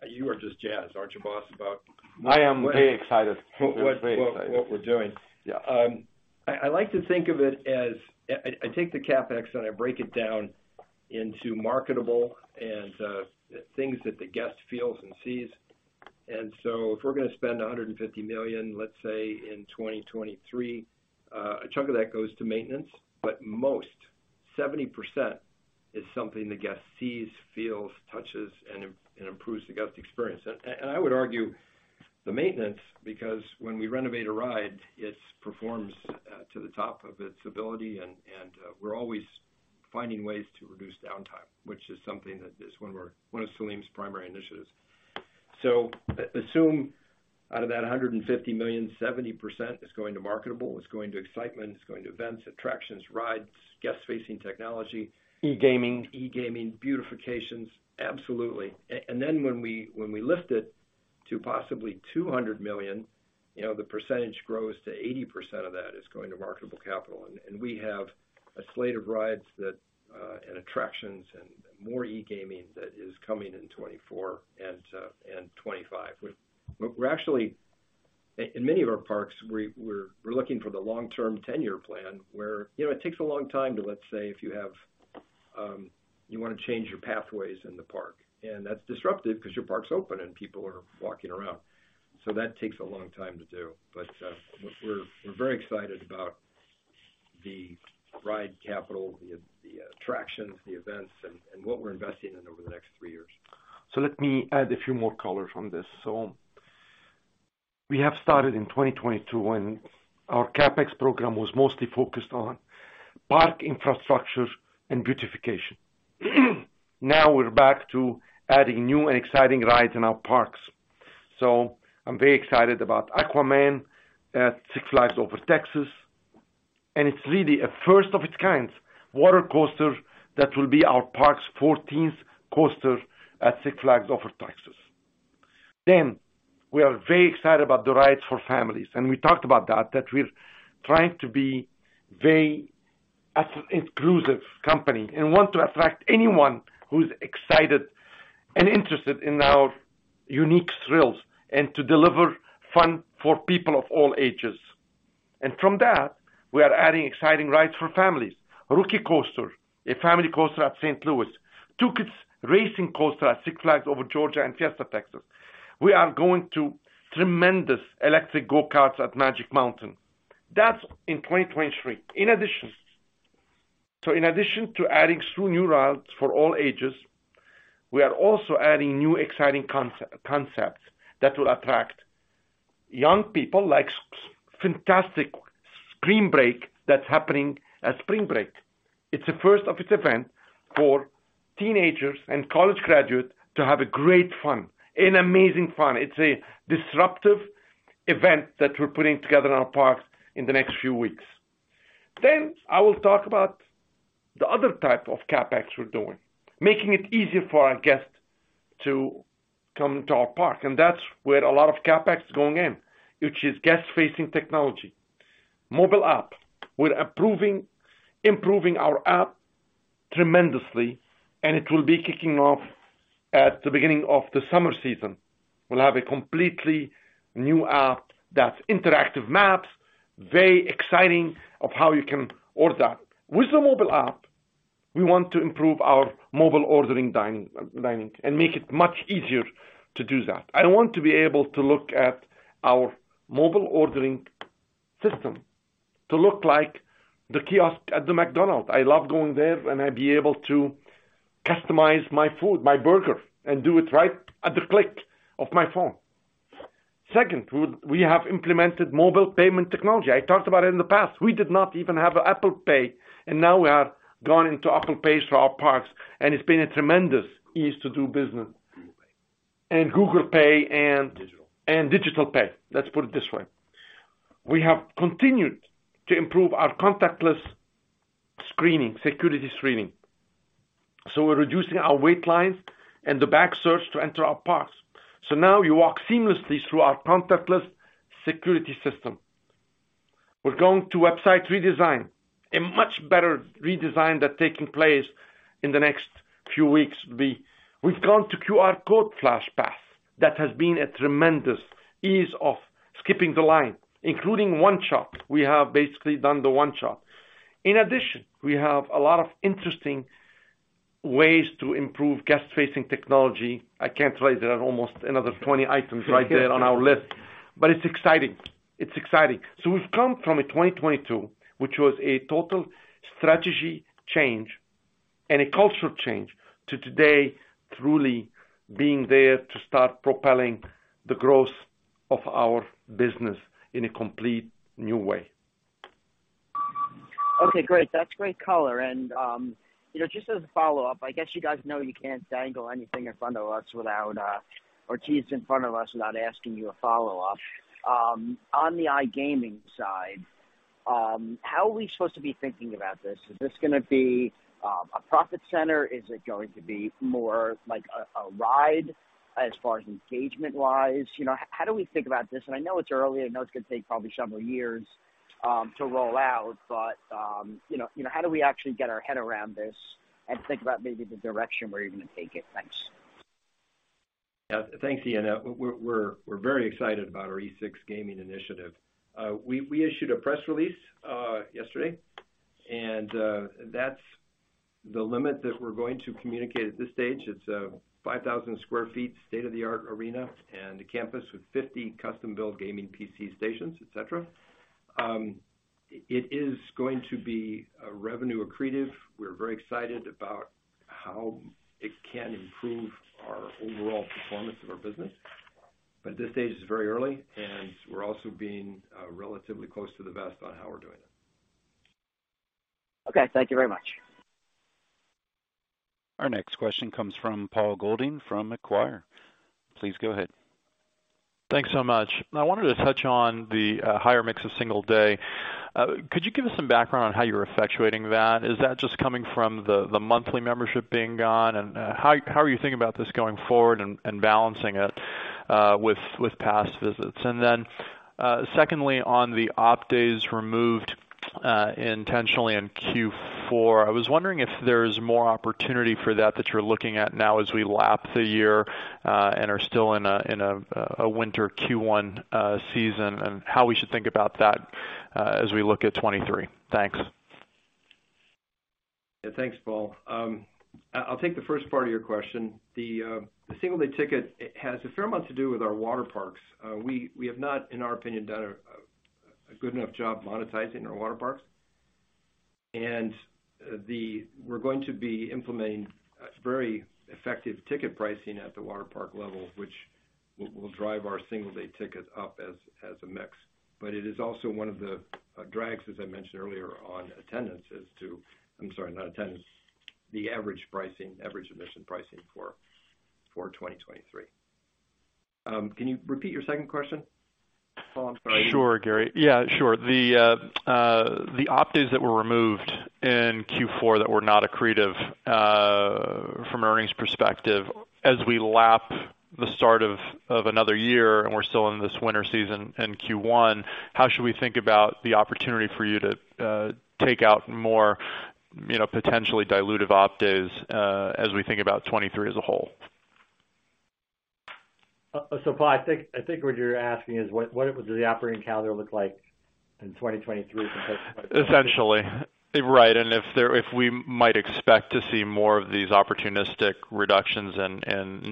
You are just jazzed, aren't you, boss, about- I am very excited. Very excited. What we're doing. Yeah. I like to think of it as I take the CapEx, I break it down into marketable and things that the guest feels and sees. If we're gonna spend $150 million, let's say, in 2023, a chunk of that goes to maintenance, but most, 70% is something the guest sees, feels, touches, and improves the guest experience. I would argue the maintenance because when we renovate a ride, it performs to the top of its ability and we're always finding ways to reduce downtime, which is something that is one of Selim's primary initiatives. Assume out of that $150 million, 70% is going to marketable. It's going to excitement. It's going to events, attractions, rides, guest-facing technology. E-gaming. E-gaming, beautifications, absolutely. Then when we lift it to possibly $200 million, you know, the percentage grows to 80% of that is going to marketable capital. We have a slate of rides that and attractions and more e-gaming that is coming in 2024 and 2025. We're actually. In many of our parks, we're looking for the long-term tenure plan where, you know, it takes a long time to, let say, if you have, you wanna change your pathways in the park, and that's disruptive 'cause your park's open and people are walking around. That takes a long time to do. We're very excited about the ride capital, the attractions, the events and what we're investing in over the next three years. Let me add a few more colors on this. We have started in 2022 when our CapEx program was mostly focused on park infrastructure and beautification. Now we're back to adding new and exciting rides in our parks. I'm very excited about Aquaman at Six Flags Over Texas, and it's really a first of its kind water coaster that will be our park's 14th coaster at Six Flags Over Texas. We are very excited about the rides for families, and we talked about that we're trying to be very as inclusive company and want to attract anyone who's excited and interested in our unique thrills and to deliver fun for people of all ages. From that, we are adding exciting rides for families. Rookie Coaster, a family coaster at St. Louis. 2 Kids Racing Coaster at Six Flags Over Georgia and Fiesta Texas. We are going to tremendous electric go-karts at Magic Mountain. That's in 2023. In addition to adding smooth new rides for all ages, we are also adding new exciting concepts that will attract young people like fantastic Spring Break that's happening at Spring Break. It's a first of its event for teenagers and college graduates to have a great fun and amazing fun. It's a disruptive event that we're putting together in our parks in the next few weeks. I will talk about the other type of CapEx we're doing, making it easier for our guests to come to our park, and that's where a lot of CapEx is going in, which is guest-facing technology. Mobile app. We're improving our app tremendously, and it will be kicking off at the beginning of the summer season. We'll have a completely new app that's interactive maps, very exciting of how you can order. With the mobile app, we want to improve our mobile ordering dining and make it much easier to do that. I want to be able to look at our mobile ordering system to look like the kiosk at the McDonald's. I love going there, and I'd be able to customize my food, my burger, and do it right at the click of my phone. Second, we have implemented mobile payment technology. I talked about it in the past. We did not even have Apple Pay, and now we have gone into Apple Pay for our parks, and it's been a tremendous ease to do business. Google Pay. Google Pay. Digital. Digital pay. Let's put it this way. We have continued to improve our contactless screening, security screening. We're reducing our wait lines and the bag search to enter our parks. Now you walk seamlessly through our contactless security system. We're going to website redesign, a much better redesign that taking place in the next few weeks. We've gone to QR code Flash Pass. That has been a tremendous ease of skipping the line, including one-shop. We have basically done the one-shop. In addition, we have a lot of interesting ways to improve guest-facing technology. I can't raise it. There are almost another 20 items right there on our list, but it's exciting. It's exciting. We've come from a 2022, which was a total strategy change and a cultural change to today truly being there to start propelling the growth of our business in a complete new way. Okay, great. That's great color. You know, just as a follow-up, I guess you guys know you can't dangle anything in front of us without or tease in front of us without asking you a follow-up. On the iGaming side, how are we supposed to be thinking about this? Is this gonna be a profit center? Is it going to be more like a ride as far as engagement-wise? You know, how do we think about this? I know it's early. I know it's gonna take probably several years to roll out, but, you know, how do we actually get our head around this and think about maybe the direction we're even gonna take it? Thanks. Thanks, Ian. We're very excited about our eSix Gaming initiative. We issued a press release yesterday, that's the limit that we're going to communicate at this stage. It's a 5,000 sq ft state-of-the-art arena and a campus with 50 custom-built gaming PC stations, et cetera. It is going to be revenue accretive. We're very excited about how it can improve our overall performance of our business. This stage is very early, and we're also being relatively close to the vest on how we're doing it. Okay. Thank you very much. Our next question comes from Paul Golding from Macquarie. Please go ahead. Thanks so much. I wanted to touch on the higher mix of single day. Could you give us some background on how you're effectuating that? Is that just coming from the monthly membership being gone? How are you thinking about this going forward and balancing it with past visits? Then, secondly, on the off-days removed intentionally in Q4, I was wondering if there's more opportunity for that that you're looking at now as we lap the year and are still in a winter Q1 season, and how we should think about that as we look at 2023. Thanks. Thanks, Paul. I'll take the first part of your question. The single-day ticket, it has a fair amount to do with our water parks. We have not, in our opinion, done a good enough job monetizing our water parks. We're going to be implementing a very effective ticket pricing at the water park level, which will drive our single-day ticket up as a mix. It is also one of the drags, as I mentioned earlier, on attendance as to. I'm sorry, not attendance, the average pricing, average admission pricing for 2023. Can you repeat your second question, Paul? I'm sorry. Sure, Gary. Yeah, sure. The off-days that were removed in Q4 that were not accretive from an earnings perspective as we lap the start of another year, and we're still in this winter season in Q1, how should we think about the opportunity for you to take out more, you know, potentially dilutive off-days as we think about 2023 as a whole? Paul, I think what you're asking is what does the operating calendar look like in 2023 compared to... Essentially. Right. If we might expect to see more of these opportunistic reductions and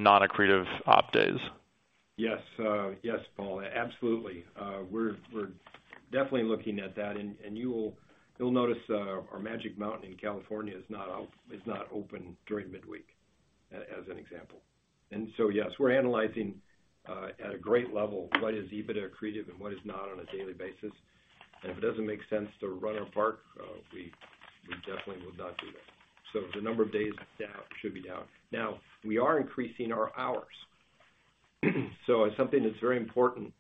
non-accretive off-days. Yes. Yes, Paul. Absolutely. We're definitely looking at that. You'll notice our Magic Mountain in California is not open during midweek as an example. Yes, we're analyzing at a great level, what is EBITDA accretive and what is not on a daily basis. If it doesn't make sense to run our park, we definitely will not do that. The number of days should be down. Now, we are increasing our hours. Something that's very important,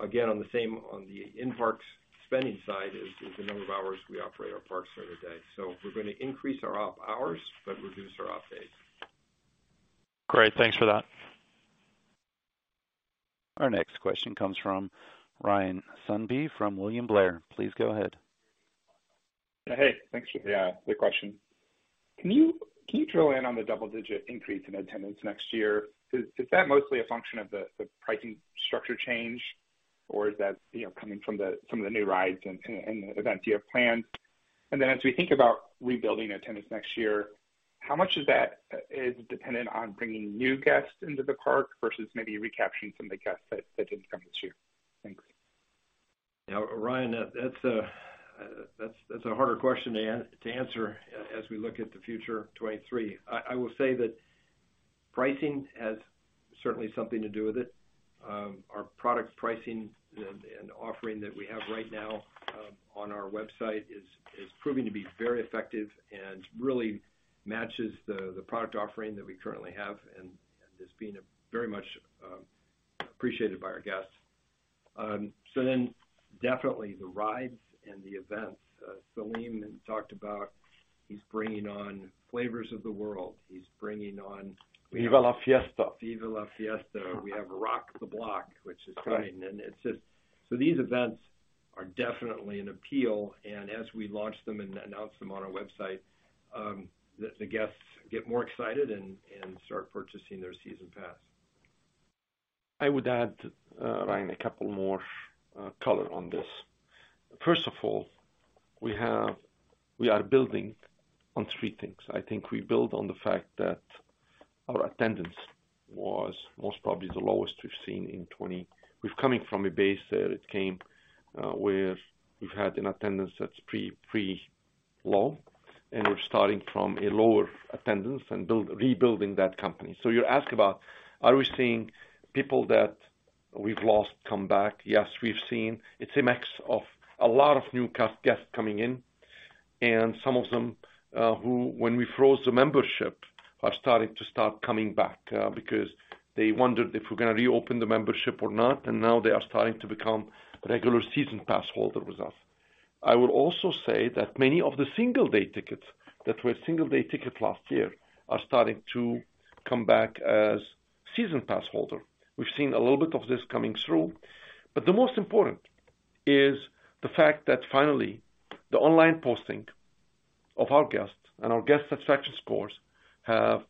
again, on the same, on the in-park spending side is the number of hours we operate our parks during the day. We're gonna increase our op hours but reduce our off days. Great. Thanks for that. Our next question comes from Ryan Sundby from William Blair. Please go ahead. Hey. Thanks for the question. Can you drill in on the double-digit increase in attendance next year? Is that mostly a function of the pricing structure change, or is that, you know, coming from the new rides and the events you have planned? As we think about rebuilding attendance next year, how much of that is dependent on bringing new guests into the park versus maybe recapturing some of the guests that didn't come this year? Thanks. Ryan Sundby, that's a harder question to answer as we look at the future 2023. I will say that pricing has certainly something to do with it. Our product pricing and offering that we have right now on our website is proving to be very effective and really matches the product offering that we currently have and is being very much appreciated by our guests. Definitely the rides and the events. Selim Bassoul talked about he's bringing on Flavors of the World. He's bringing on- Viva La Fiesta. Viva La Fiesta. We have Rock the Block, which is coming. Right. These events are definitely an appeal, as we launch them and announce them on our website, the guests get more excited and start purchasing their season pass. I would add, Ryan, a couple more color on this. First of all, we are building on three things. I think we build on the fact that our attendance was most probably the lowest we've seen in 2020. We've coming from a base there. It came, with we've had an attendance that's pre-low. And we're starting from a lower attendance and rebuilding that company. You ask about are we seeing people that we've lost come back? Yes, we've seen. It's a mix of a lot of new cast guests coming in and some of them, who when we froze the membership, are starting to start coming back, because they wondered if we're gonna reopen the membership or not, now they are starting to become regular season pass holder with us. I would also say that many of the single-day tickets that were single-day ticket last year are starting to come back as season pass holder. We've seen a little bit of this coming through. The most important is the fact that finally the online posting of our guests and our guest satisfaction scores have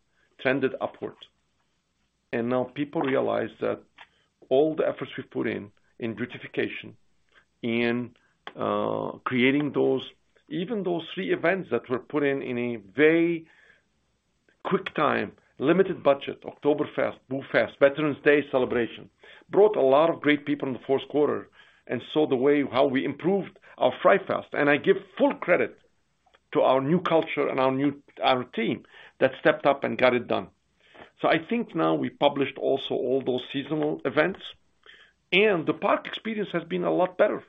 trended upward. Now people realize that all the efforts we've put in beautification, in creating those, even those three events that were put in in a very quick time, limited budget, Oktoberfest, Boo Fests, Veterans Day celebration, brought a lot of great people in the fourth quarter and saw the way how we improved our Fright Fest. I give full credit to our new culture and our new team that stepped up and got it done. I think now we published also all those seasonal events, and the park experience has been a lot better.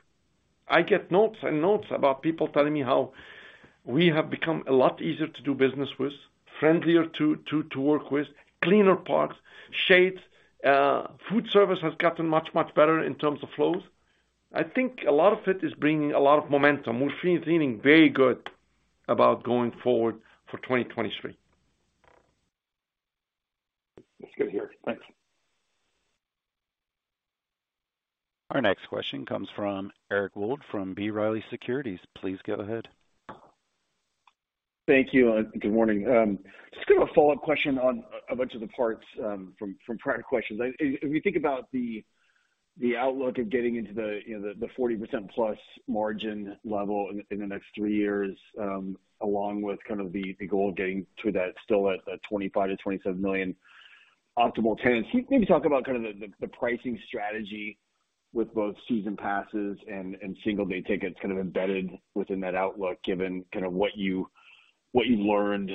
I get notes and notes about people telling me how we have become a lot easier to do business with, friendlier to work with, cleaner parks, shades. Food service has gotten much, much better in terms of flows. I think a lot of it is bringing a lot of momentum. We're feeling very good about going forward for 2023. That's good to hear. Thanks. Our next question comes from Eric Wold from B. Riley Securities. Please go ahead. Thank you, good morning. Just kind of a follow-up question on a bunch of the parts, from prior questions. If you think about the outlook of getting into the, you know, the 40%+ margin level in the next three years, along with kind of the goal of getting to that still at 25 million-27 million optimal tenants. Can you maybe talk about kind of the pricing strategy with both season passes and single-day tickets kind of embedded within that outlook, given kind of what you learned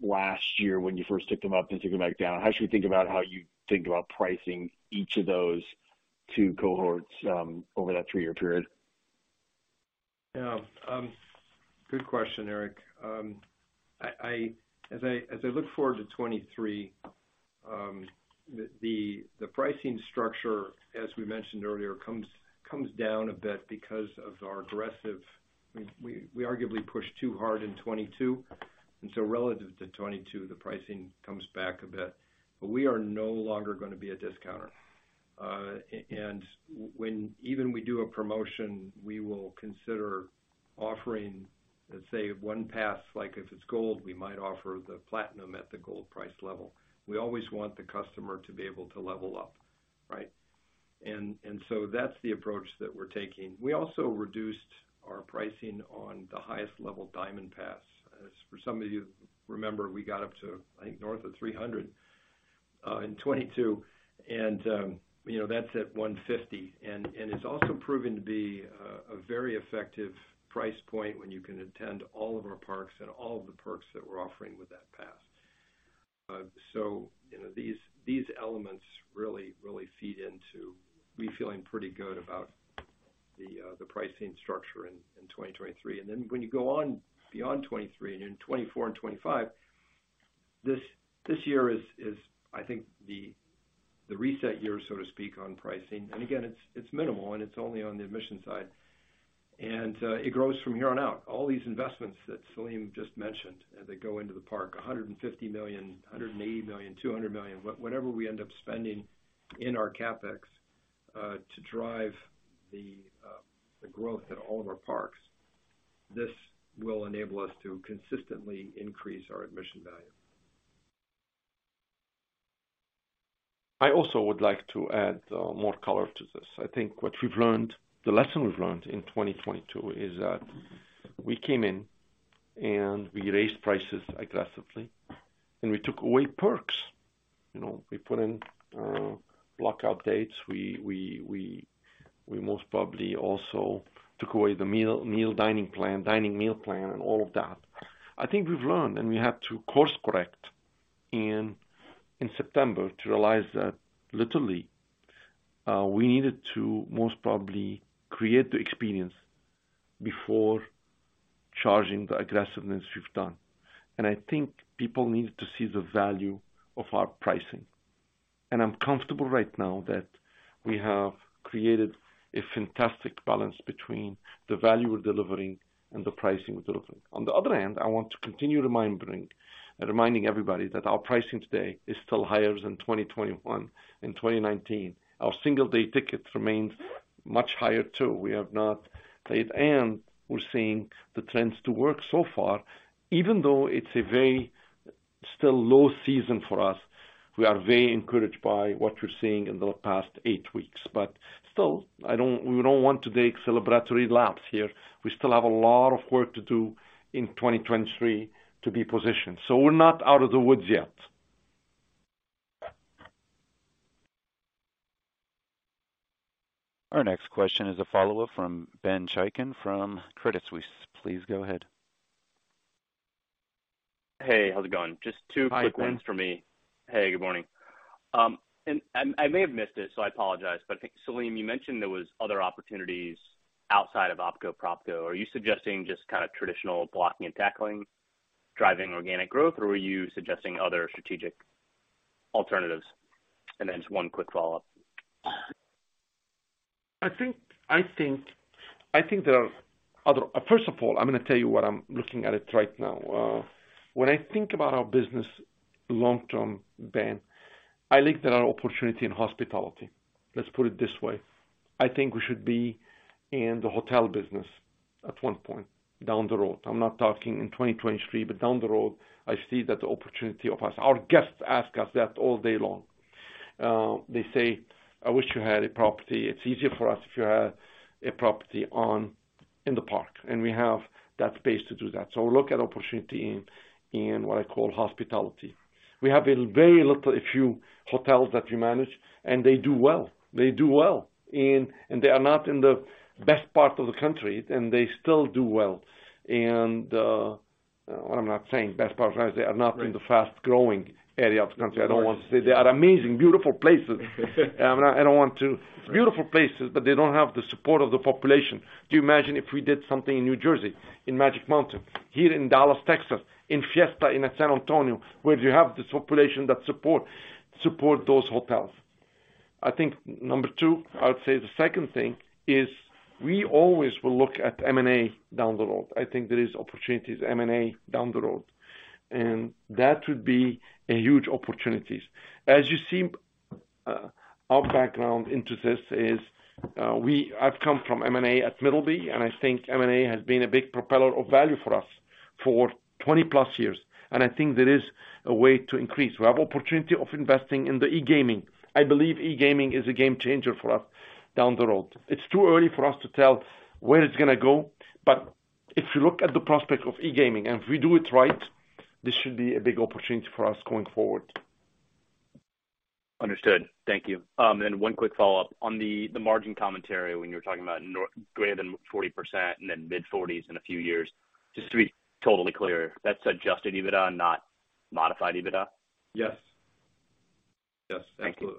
last year when you first took them up and took them back down? How should we think about how you think about pricing each of those two cohorts over that three-year period? Good question, Eric. As I look forward to 2023, the pricing structure, as we mentioned earlier, comes down a bit because of our aggressive. We arguably pushed too hard in 2022, so relative to 2022, the pricing comes back a bit. We are no longer gonna be a discounter. When even we do a promotion, we will consider offering, let's say, one pass, like if it's Gold, we might offer the Platinum at the Gold price level. We always want the customer to be able to level up, right? So that's the approach that we're taking. We also reduced our pricing on the highest level Diamond pass. As for some of you remember, we got up to, I think, north of $300 in 2022. You know, that's at $150. It's also proven to be a very effective price point when you can attend all of our parks and all of the perks that we're offering with that pass. You know, these elements really feed into we feeling pretty good about the pricing structure in 2023. When you go on beyond 2023 and in 2024 and 2025, this year is, I think, the reset year, so to speak, on pricing. Again, it's minimal, and it's only on the admission side. It grows from here on out. All these investments that Selim just mentioned that go into the park, $150 million, $180 million, $200 million, whatever we end up spending in our CapEx to drive the growth at all of our parks. This will enable us to consistently increase our admission value. I also would like to add more color to this. I think what we've learned, the lesson we've learned in 2022 is that we came in and we raised prices aggressively, and we took away perks. You know, we put in blockout dates. We most probably also took away the meal dining plan, dining meal plan and all of that. We had to course correct in September to realize that literally, we needed to most probably create the experience before charging the aggressiveness we've done. I think people needed to see the value of our pricing. I'm comfortable right now that we have created a fantastic balance between the value we're delivering and the pricing we're delivering. On the other hand, I want to continue reminding everybody that our pricing today is still higher than 2021 and 2019. Our single-day tickets remains much higher too. We have not played, and we're seeing the trends to work so far. Even though it's a very still low season for us, we are very encouraged by what we're seeing in the past eight weeks. Still, we don't want to take celebratory laps here. We still have a lot of work to do in 2023 to be positioned. We're not out of the woods yet. Our next question is a follow-up from Ben Chaiken from Credit Suisse. Please go ahead. Hey, how's it going? Just two quick ones for me. Hi, Ben. Hey, good morning. I may have missed it, so I apologize. Selim, you mentioned there was other opportunities outside of OpCo, PropCo. Are you suggesting just kinda traditional blocking and tackling, driving organic growth, or were you suggesting other strategic alternatives? Just one quick follow-up. I think there are other... First of all, I'm gonna tell you what I'm looking at it right now. When I think about our business long-term, Ben, I think there are opportunity in hospitality. Let's put it this way. I think we should be in the hotel business at one point down the road. I'm not talking in 2023, but down the road, I see that the opportunity of us. Our guests ask us that all day long. They say, "I wish you had a property. It's easier for us if you had a property on, in the park," and we have that space to do that. Look at opportunity in what I call hospitality. We have a few hotels that we manage, and they do well. They do well. They are not in the best part of the country, and they still do well. What I'm not saying, best part, they are not in the fast-growing area of the country. I don't want to say. They are amazing, beautiful places. I don't want to- Right. Beautiful places, they don't have the support of the population. Do you imagine if we did something in New Jersey, in Magic Mountain, here in Dallas, Texas, in Fiesta, in San Antonio, where you have this population that support those hotels. I think 2, I would say the second thing is we always will look at M&A down the road. I think there is opportunities M&A down the road. That would be a huge opportunities. As you see, our background into this is I've come from M&A at Middleby, M&A has been a big propeller of value for us for 20+ years, I think there is a way to increase. We have opportunity of investing in the e-gaming. I believe e-gaming is a game changer for us down the road. It's too early for us to tell where it's gonna go. If you look at the prospect of e-gaming, and if we do it right, this should be a big opportunity for us going forward. Understood. Thank you. One quick follow-up. On the margin commentary when you were talking about greater than 40% and then mid-40s in a few years. Just to be totally clear, that's Adjusted EBITDA, not Modified EBITDA? Yes. Yes, absolutely. Thank you.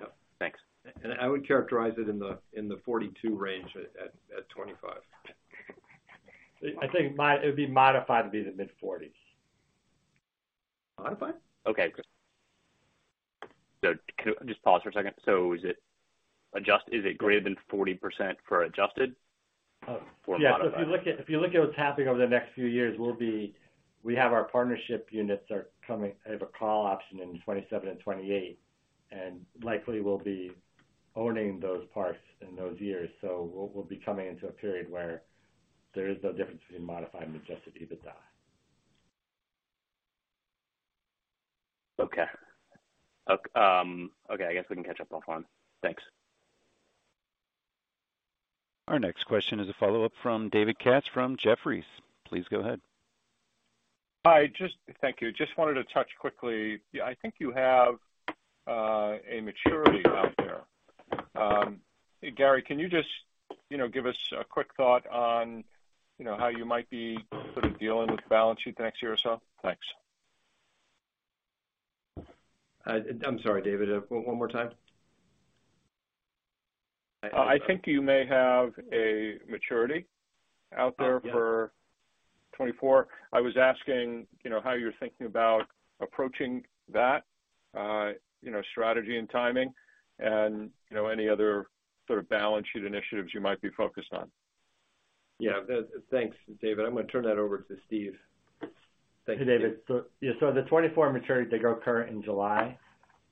Yep. Thanks. I would characterize it in the 42 range at 25. I think it would be modified to be the mid-forties. Modified? Okay, good. Can you just pause for a second? Is it greater than 40% for Adjusted or Modified? Yeah. If you look at what's happening over the next few years, We have our partnership units are coming. I have a call option in 2027 and 2028, and likely we'll be owning those parks in those years. we'll be coming into a period where there is no difference between Modified EBITDA and Adjusted EBITDA. Okay. Okay, I guess we can catch up offline. Thanks. Our next question is a follow-up from David Katz from Jefferies. Please go ahead. Hi. Thank you. Just wanted to touch quickly. I think you have a maturity out there. Gary, can you just, you know, give us a quick thought on, you know, how you might be sort of dealing with the balance sheet the next year or so? Thanks. I'm sorry, David. One more time. I think you may have a maturity out there for 2024. I was asking, you know, how you're thinking about approaching that, you know, strategy and timing and, you know, any other sort of balance sheet initiatives you might be focused on. Yeah. Thanks, David. I'm gonna turn that over to Steve. Thank you. Hey, David. Yeah, so the 2024 maturity, they go current in July.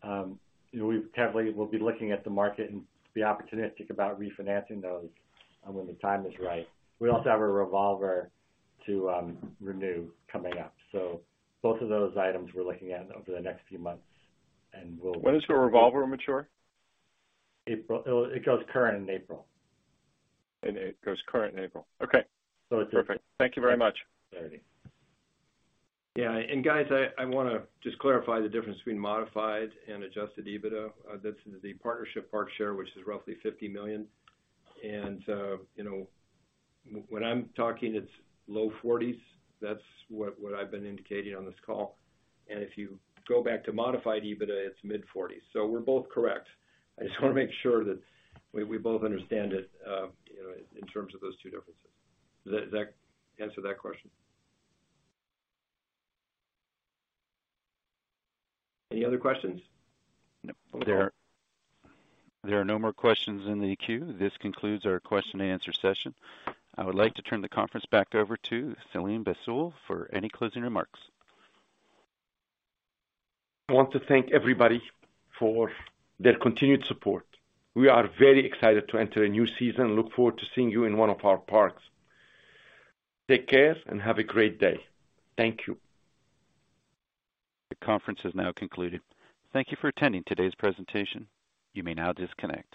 You know, we carefully will be looking at the market and be opportunistic about refinancing those, when the time is right. We also have a revolver to, renew coming up. Both of those items we're looking at over the next few months. When does the revolver mature? April. It goes current in April. It goes current in April. Okay. So it- Perfect. Thank you very much. Thirty. Yeah. Guys, I wanna just clarify the difference between Modified and Adjusted EBITDA. This is the partnership park share, which is roughly $50 million. You know, when I'm talking, it's low 40s. That's what I've been indicating on this call. If you go back to Modified EBITDA, it's mid-40s. We're both correct. I just wanna make sure that we both understand it, you know, in terms of those two differences. Does that answer that question? Any other questions? No. There are no more questions in the queue. This concludes our question and answer session. I would like to turn the conference back over to Selim Bassoul for any closing remarks. I want to thank everybody for their continued support. We are very excited to enter a new season and look forward to seeing you in one of our parks. Take care and have a great day. Thank you. The conference is now concluded. Thank you for attending today's presentation. You may now disconnect.